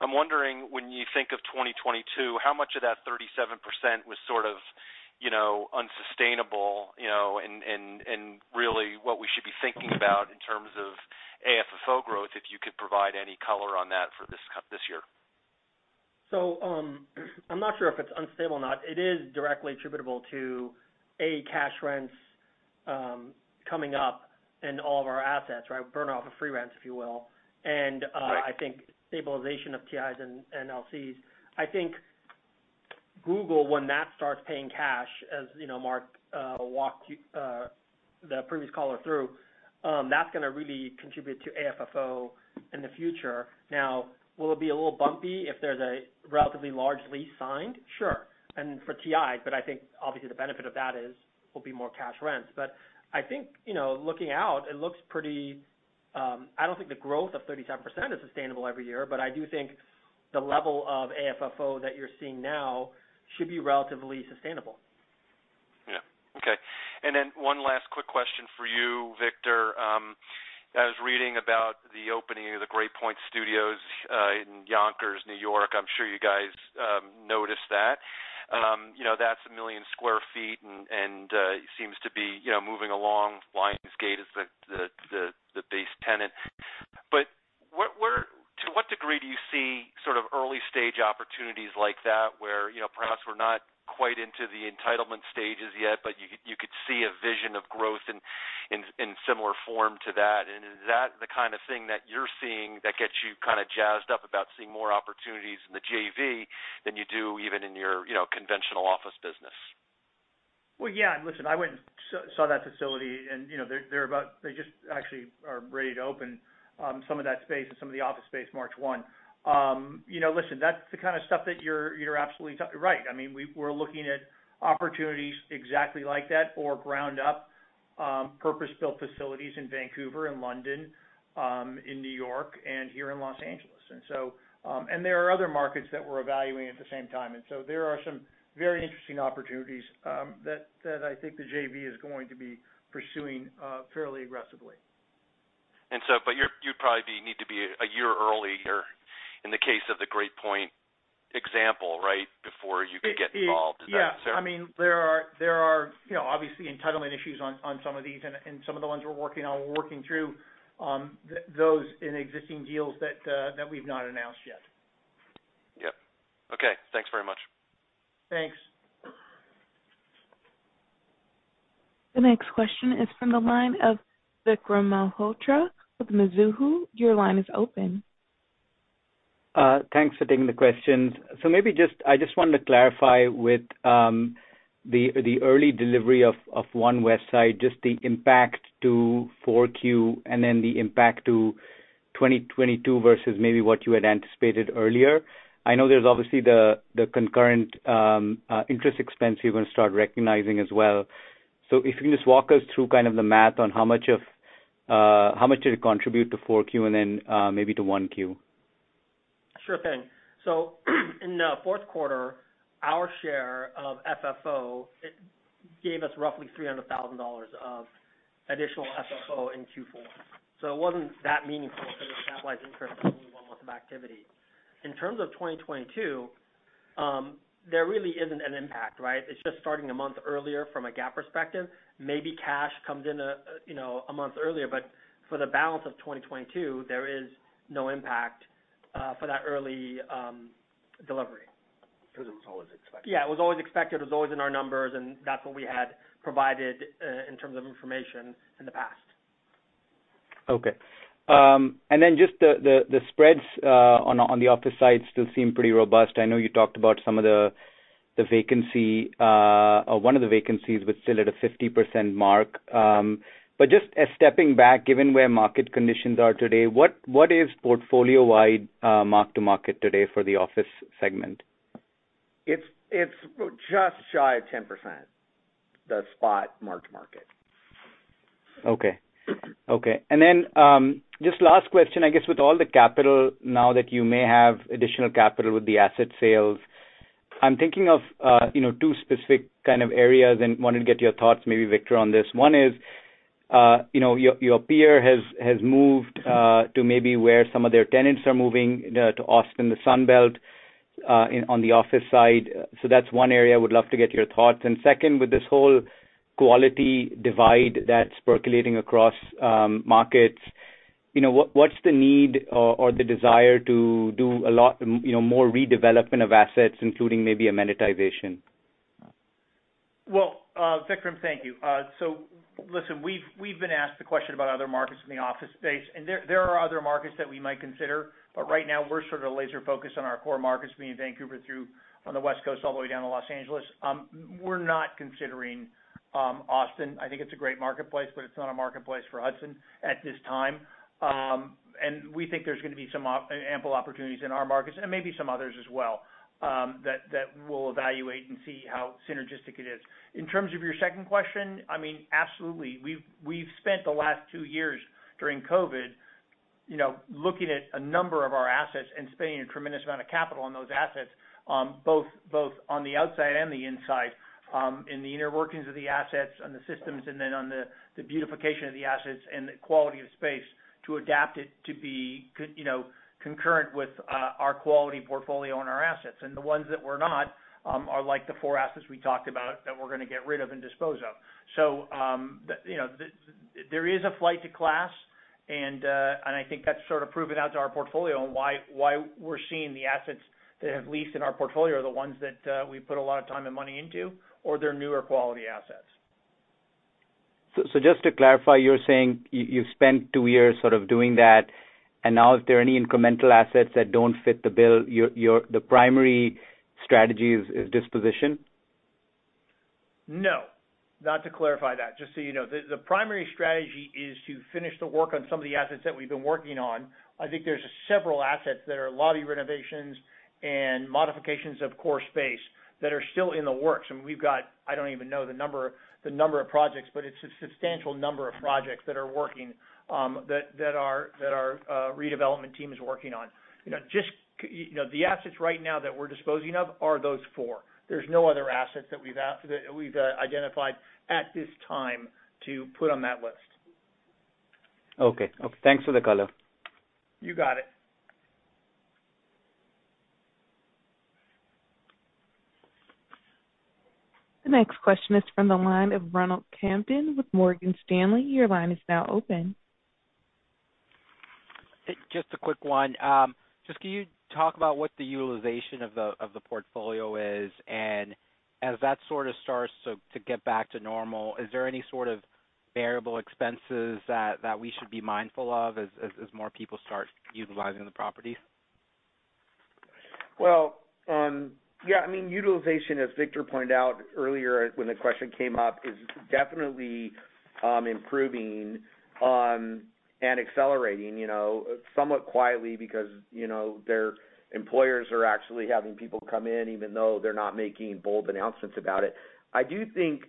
I'm wondering, when you think of 2022, how much of that 37% was sort of, you know, unsustainable, you know, and really what we should be thinking about in terms of AFFO growth, if you could provide any color on that for this year. I'm not sure if it's unstable or not. It is directly attributable to, A, cash rents, coming up in all of our assets, right? Burn off of free rents, if you will. Right. I think stabilization of TIs and LCs. I think Google, when that starts paying cash, as you know, Mark, walked you through the previous call, that's gonna really contribute to AFFO in the future. Now, will it be a little bumpy if there's a relatively large lease signed? Sure. For TI, but I think obviously the benefit of that is will be more cash rents. I think, you know, looking out, it looks pretty I don't think the growth of 37% is sustainable every year, but I do think the level of AFFO that you're seeing now should be relatively sustainable. One last quick question for you, Victor. I was reading about the opening of the Great Point Studios in Yonkers, New York. I'm sure you guys noticed that. You know, that's 1 million sq ft and seems to be, you know, moving along. Lionsgate is the base tenant. But to what degree do you see sort of early-stage opportunities like that where, you know, perhaps we're not quite into the entitlement stages yet, but you could see a vision of growth in similar form to that? And is that the kind of thing that you're seeing that gets you kind of jazzed up about seeing more opportunities in the JV than you do even in your, you know, conventional office business? Well, yeah. Listen, I went and saw that facility and, you know, they just actually are ready to open some of that space and some of the office space March 1. You know, listen, that's the kind of stuff that you're absolutely right. I mean, we're looking at opportunities exactly like that or ground-up purpose-built facilities in Vancouver and London, in New York and here in Los Angeles. There are other markets that we're evaluating at the same time. There are some very interesting opportunities that I think the JV is going to be pursuing fairly aggressively. You'd probably need to be a year early here in the case of the Great Point example, right, before you could get involved in that. Yeah. I mean, there are, you know, obviously entitlement issues on some of these. Some of the ones we're working on, we're working through those in existing deals that we've not announced yet. Yep. Okay. Thanks very much. Thanks. The next question is from the line of Vikram Malhotra with Mizuho. Your line is open. Thanks for taking the questions. I just wanted to clarify with the early delivery of One Westside, just the impact to Q4 and then the impact to 2022 versus maybe what you had anticipated earlier. I know there's obviously the concurrent interest expense you're gonna start recognizing as well. If you can just walk us through kind of the math on how much did it contribute to Q4 and then maybe to Q1. Sure thing. In the fourth quarter, our share of FFO, it gave us roughly $300,000 of additional FFO in Q4. It wasn't that meaningful because it capitalized interest for only one month of activity. In terms of 2022, there really isn't an impact, right? It's just starting a month earlier from a GAAP perspective. Maybe cash comes in a, you know, a month earlier, but for the balance of 2022, there is no impact for that early delivery. Because it was always expected. Yeah, it was always expected, it was always in our numbers, and that's what we had provided, in terms of information in the past. Okay. Then just the spreads on the office side still seem pretty robust. I know you talked about some of the vacancy or one of the vacancies was still at a 50% mark. Just stepping back, given where market conditions are today, what is portfolio-wide mark-to-market today for the office segment? It's just shy of 10%, the spot mark-to-market. Okay. Okay. Just last question, I guess with all the capital now that you may have additional capital with the asset sales. I'm thinking of, you know, two specific kind of areas and wanted to get your thoughts maybe, Victor, on this. One is, you know, your peer has moved to maybe where some of their tenants are moving to Austin, the Sun Belt, on the office side. That's one area I would love to get your thoughts. Second, with this whole quality divide that's percolating across markets, you know, what's the need or the desire to do a lot, you know, more redevelopment of assets, including maybe amenitization? Well, Vikram, thank you. Listen, we've been asked the question about other markets in the office space, and there are other markets that we might consider. Right now, we're sort of laser focused on our core markets, meaning Vancouver to San Francisco on the West Coast all the way down to Los Angeles. We're not considering Austin. I think it's a great marketplace, but it's not a marketplace for Hudson at this time. We think there's gonna be some ample opportunities in our markets and maybe some others as well, that we'll evaluate and see how synergistic it is. In terms of your second question, I mean, absolutely. We've spent the last two years during COVID, you know, looking at a number of our assets and spending a tremendous amount of capital on those assets, both on the outside and the inside, in the inner workings of the assets, on the systems, and then on the beautification of the assets and the quality of space to adapt it to be concurrent with our quality portfolio and our assets. The ones that were not are like the four assets we talked about that we're gonna get rid of and dispose of. You know, there is a flight to class and I think that's sort of proven out to our portfolio and why we're seeing the assets that have leased in our portfolio are the ones that we put a lot of time and money into or they're newer quality assets. Just to clarify, you're saying you've spent two years sort of doing that, and now if there are any incremental assets that don't fit the bill, your primary strategy is disposition? No, not to clarify that. Just so you know, the primary strategy is to finish the work on some of the assets that we've been working on. I think there's several assets that are lobby renovations and modifications of core space that are still in the works, and we've got. I don't even know the number of projects, but it's a substantial number of projects that our redevelopment team is working on. You know, just you know, the assets right now that we're disposing of are those four. There's no other assets that we've identified at this time to put on that list. Okay. Okay, thanks for the color. You got it. The next question is from the line of Ronald Kamdem with Morgan Stanley. Your line is now open. Just a quick one. Just can you talk about what the utilization of the portfolio is? As that sort of starts to get back to normal, is there any sort of variable expenses that we should be mindful of as more people start utilizing the properties? Well, yeah, I mean, utilization, as Victor pointed out earlier when the question came up, is definitely improving and accelerating, you know, somewhat quietly because, you know, their employers are actually having people come in even though they're not making bold announcements about it. I do think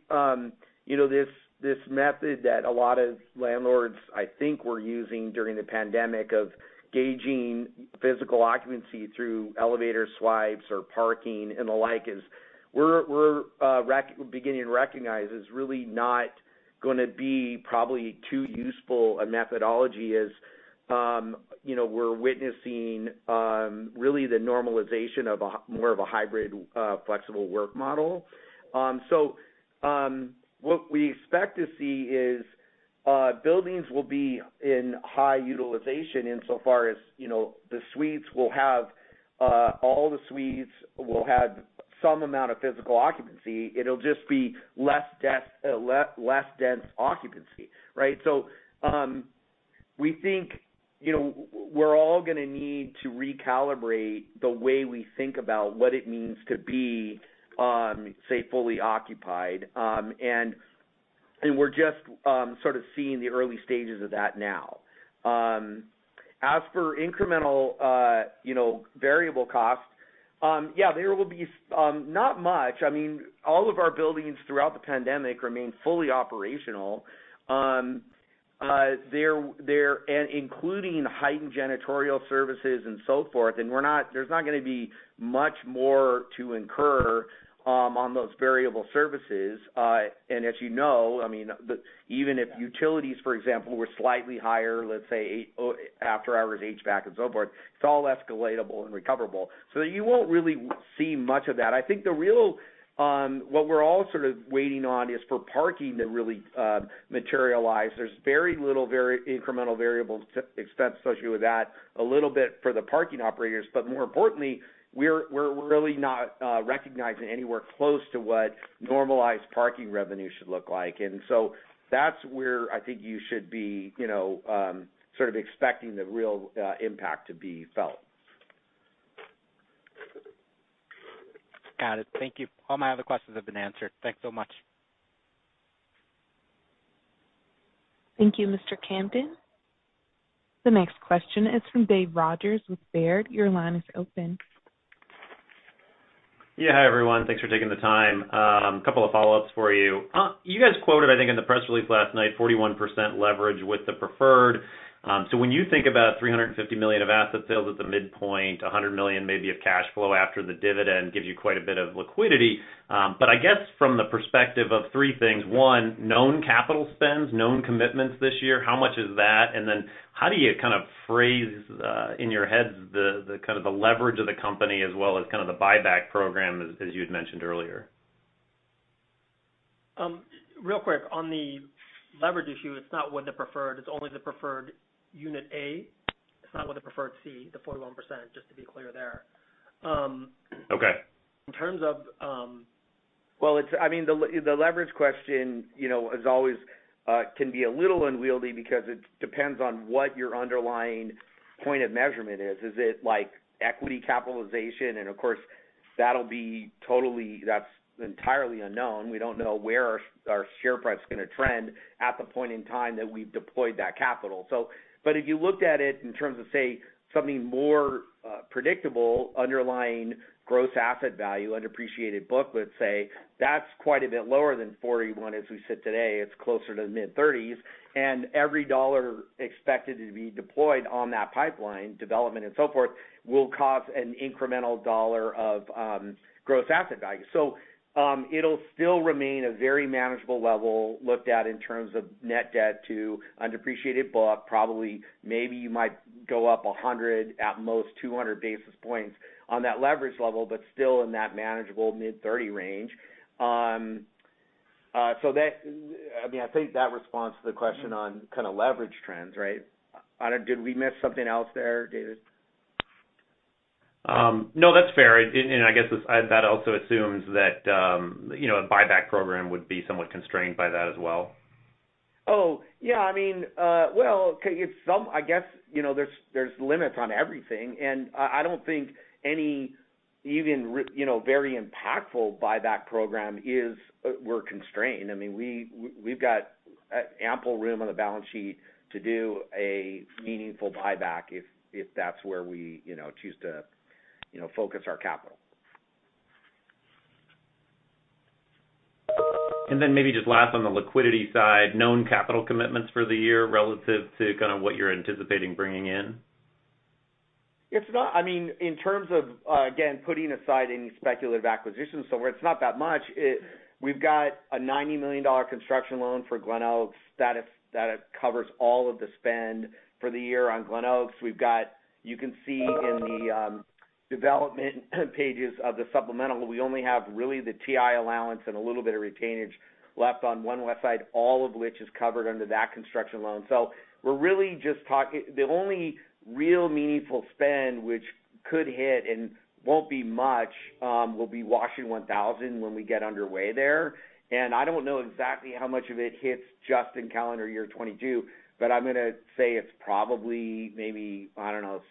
you know, this method that a lot of landlords, I think, were using during the pandemic of gauging physical occupancy through elevator swipes or parking and the like is we're beginning to recognize is really not gonna be probably too useful a methodology as you know, we're witnessing really the normalization of more of a hybrid flexible work model. What we expect to see is buildings will be in high utilization insofar as, you know, all the suites will have some amount of physical occupancy. It'll just be less dense occupancy, right? We think, you know, we're all gonna need to recalibrate the way we think about what it means to be, say, fully occupied. We're just sort of seeing the early stages of that now. As for incremental variable costs, yeah, there will be not much. I mean, all of our buildings throughout the pandemic remain fully operational. They're, including heightened janitorial services and so forth, and there's not gonna be much more to incur on those variable services. As you know, I mean, even if utilities, for example, were slightly higher, let's say 8 after hours HVAC and so forth, it's all escalatable and recoverable. So you won't really see much of that. I think the real, what we're all sort of waiting on is for parking to really materialize. There's very little incremental variable expense associated with that, a little bit for the parking operators. But more importantly, we're really not recognizing anywhere close to what normalized parking revenue should look like. That's where I think you should be, you know, sort of expecting the real impact to be felt. Got it. Thank you. All my other questions have been answered. Thanks so much. Thank you, Mr. Kamdem. The next question is from Dave Rodgers with Baird. Your line is open. Yeah. Hi, everyone. Thanks for taking the time. Couple of follow-ups for you. You guys quoted, I think in the press release last night, 41% leverage with the preferred. So when you think about $350 million of asset sales at the midpoint, $100 million maybe of cash flow after the dividend gives you quite a bit of liquidity. But I guess from the perspective of three things, one, known capital spends, known commitments this year, how much is that? How do you kind of phrase in your heads the kind of leverage of the company as well as kind of the buyback program as you had mentioned earlier? Real quick, on the leverage issue, it's not with the preferred, it's only the preferred unit A. It's not with the preferred C, the 41%, just to be clear there. Okay. In terms of, I mean, the leverage question, you know, as always, can be a little unwieldy because it depends on what your underlying point of measurement is. Is it like equity capitalization? Of course, that's entirely unknown. We don't know where our share price is gonna trend at the point in time that we've deployed that capital. If you looked at it in terms of, say, something more predictable, underlying gross asset value, undepreciated book, let's say, that's quite a bit lower than 41 as we sit today. It's closer to the mid-30s, and every dollar expected to be deployed on that pipeline development and so forth, will cause an incremental dollar of gross asset value. It'll still remain a very manageable level looked at in terms of net debt to undepreciated book, probably, maybe you might go up 100, at most 200 basis points on that leverage level, but still in that manageable mid-30 range. I mean, I think that responds to the question on kind of leverage trends, right? Did we miss something else there, David? No, that's fair. I guess that also assumes that, you know, a buyback program would be somewhat constrained by that as well. Oh, yeah. I mean, well, okay, I guess, you know, there's limits on everything, and I don't think you know, very impactful buyback program we're constrained. I mean, we've got ample room on the balance sheet to do a meaningful buyback if that's where we, you know, choose to, you know, focus our capital. Maybe just last on the liquidity side, known capital commitments for the year relative to kind of what you're anticipating bringing in? It's not. I mean, in terms of, again, putting aside any speculative acquisitions, where it's not that much. We've got a $90 million construction loan for Glenoaks. That covers all of the spend for the year on Glenoaks. You can see in the development pages of the supplemental, we only have really the TI allowance and a little bit of retainage left on One Westside, all of which is covered under that construction loan. We're really just the only real meaningful spend, which could hit and won't be much, will be Washington One Thousand when we get underway there. I don't know exactly how much of it hits just in calendar year 2022, but I'm gonna say it's probably maybe, I don't know,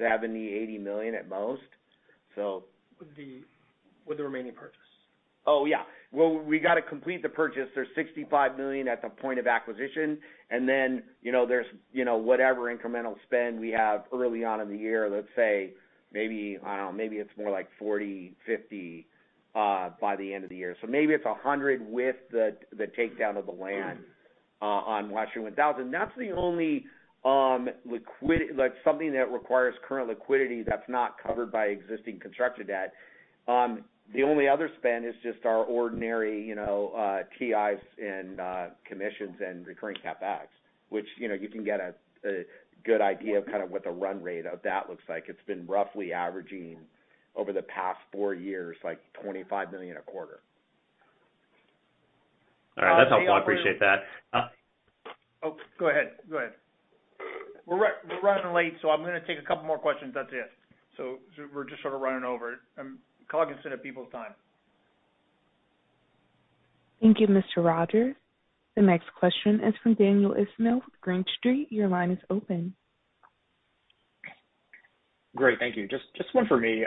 $70 million-$80 million at most. With the remaining purchase. Oh, yeah. Well, we got to complete the purchase. There's $65 million at the point of acquisition, and then, you know, there's whatever incremental spend we have early on in the year, let's say maybe it's more like $40 million-$50 million by the end of the year. Maybe it's $100 million with the takedown of the land on Washington 1000. That's the only like something that requires current liquidity that's not covered by existing construction debt. The only other spend is just our ordinary, you know, TIs and commissions and recurring CapEx, which, you know, you can get a good idea of kind of what the run rate of that looks like. It's been roughly averaging over the past four years, like $25 million a quarter. All right. That's helpful. I appreciate that. Go ahead. We're running late, so I'm gonna take a couple more questions, that's it. We're just sort of running over. I'm cognizant of people's time. Thank you, Mr. Rodgers. The next question is from Daniel Ismail with Green Street. Your line is open. Great. Thank you. Just one for me.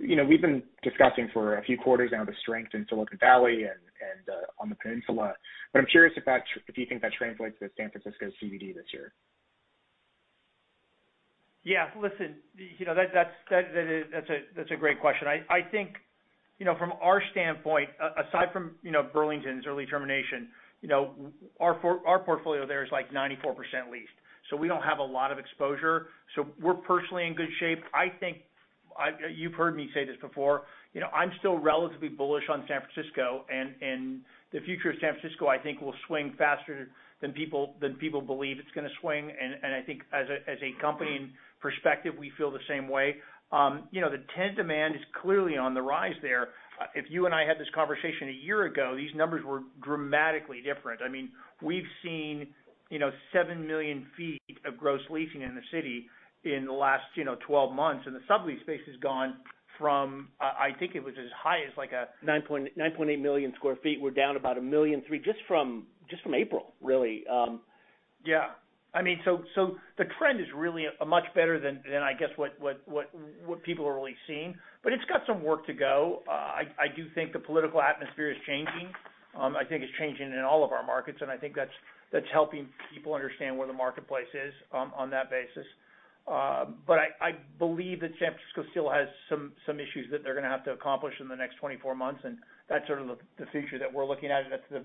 You know, we've been discussing for a few quarters now the strength in Silicon Valley and on the Peninsula. I'm curious if you think that translates to San Francisco CBD this year? Yeah. Listen, you know, that's a great question. I think, you know, from our standpoint, aside from, you know, Burlington's early termination, you know, our portfolio there is like 94% leased, so we don't have a lot of exposure. We're personally in good shape. I think you've heard me say this before, you know, I'm still relatively bullish on San Francisco and the future of San Francisco. I think it will swing faster than people believe it's gonna swing. I think as a company perspective, we feel the same way. You know, the tenant demand is clearly on the rise there. If you and I had this conversation a year ago, these numbers were dramatically different. I mean, we've seen, you know, 7 million sq ft of gross leasing in the city in the last, you know, 12 months. The sublease space has gone from, I think it was as high as like a 9.98 million sq ft. We're down about 1.3 million just from April, really. Yeah. I mean, the trend is really much better than I guess what people are really seeing. It's got some work to go. I do think the political atmosphere is changing. I think it's changing in all of our markets, and I think that's helping people understand where the marketplace is, on that basis. I believe that San Francisco still has some issues that they're gonna have to accomplish in the next 24 months, and that's sort of the future that we're looking at. That's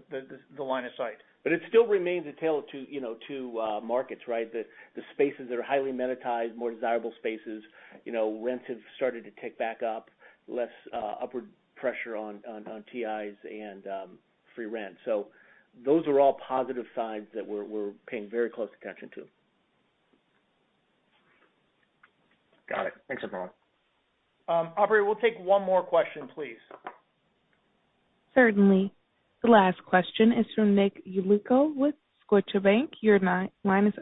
the line of sight. It still remains a tale of two, you know, markets, right? The spaces that are highly monetized, more desirable spaces, you know, rents have started to tick back up, less upward pressure on TIs and free rent. Those are all positive signs that we're paying very close attention to. Got it. Thanks, everyone. Operator, we'll take one more question, please. Certainly. The last question is from Nick Yulico with Scotiabank. Your line is-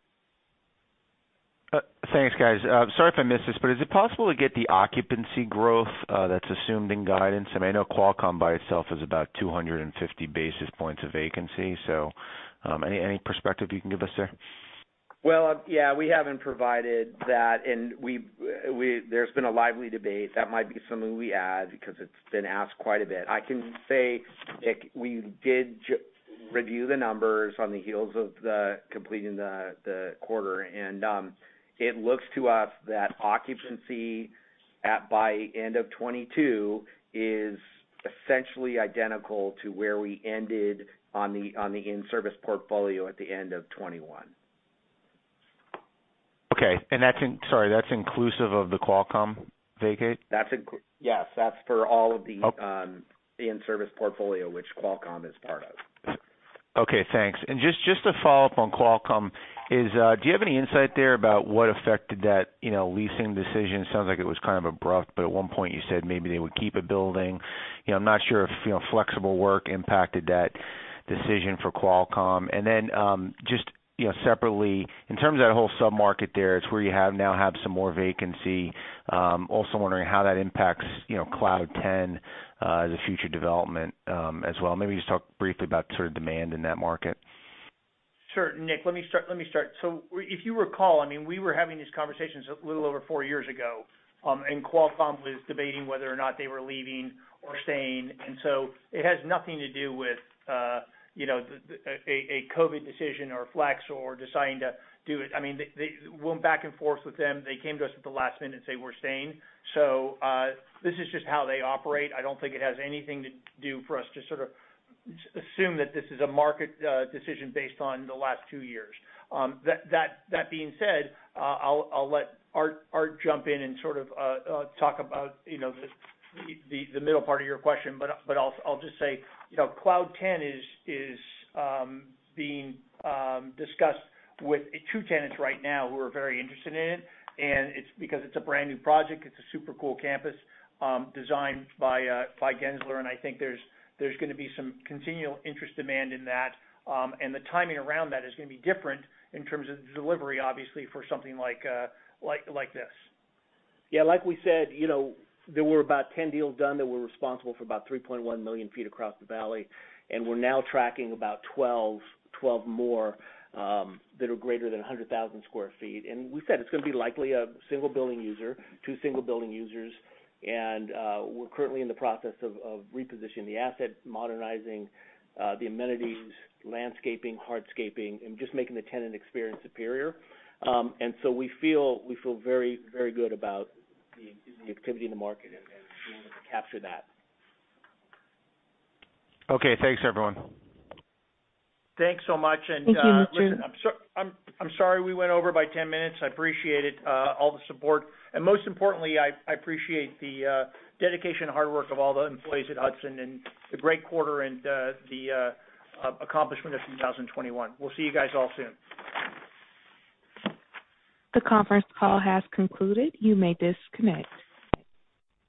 Thanks, guys. Sorry if I missed this, but is it possible to get the occupancy growth that's assumed in guidance? I mean, I know Qualcomm by itself is about 250 basis points of vacancy. Any perspective you can give us there? Well, yeah, we haven't provided that. There's been a lively debate. That might be something we add because it's been asked quite a bit. I can say, Nick, we did review the numbers on the heels of completing the quarter, and it looks to us that occupancy by end of 2022 is essentially identical to where we ended on the in-service portfolio at the end of 2021. Okay. Sorry, that's inclusive of the Qualcomm vacate? Yes. That's for all of the. Okay. the in-service portfolio which Qualcomm is part of. Okay, thanks. Just to follow up on Qualcomm, do you have any insight there about what affected that, you know, leasing decision? It sounds like it was kind of abrupt, but at one point you said maybe they would keep a building. You know, I'm not sure if, you know, flexible work impacted that decision for Qualcomm. You know, separately, in terms of that whole submarket there, it's where you now have some more vacancy. Also wondering how that impacts, you know, Cloud10, the future development, as well. Maybe just talk briefly about sort of demand in that market. Sure, Nick, let me start. If you recall, I mean, we were having these conversations a little over four years ago, and Qualcomm was debating whether or not they were leaving or staying. It has nothing to do with, you know, a COVID decision or flex or deciding to do it. I mean, they went back and forth with them. They came to us at the last minute, and said we're staying. This is just how they operate. I don't think it has anything to do for us to sort of assume that this is a market decision based on the last two years. That being said, I'll let Art jump in and sort of talk about, you know, the middle part of your question. I'll just say, you know, Cloud10 is being discussed with two tenants right now who are very interested in it. It's because it's a brand-new project. It's a super cool campus, designed by Gensler. I think there's gonna be some continual interest demand in that. The timing around that is gonna be different in terms of the delivery, obviously, for something like this. Yeah, like we said, you know, there were about 10 deals done that were responsible for about 3.1 million sq ft across the valley. We're now tracking about 12 more that are greater than 100,000 sq ft. We're currently in the process of repositioning the asset, modernizing the amenities, landscaping, hardscaping, and just making the tenant experience superior. We feel very good about the activity in the market and being able to capture that. Okay, thanks everyone. Thanks so much. Thank you. Listen, I'm sorry we went over by 10 minutes. I appreciate it, all the support. Most importantly, I appreciate the dedication and hard work of all the employees at Hudson and the great quarter and the accomplishment of 2021. We'll see you guys all soon. The conference call has concluded. You may disconnect.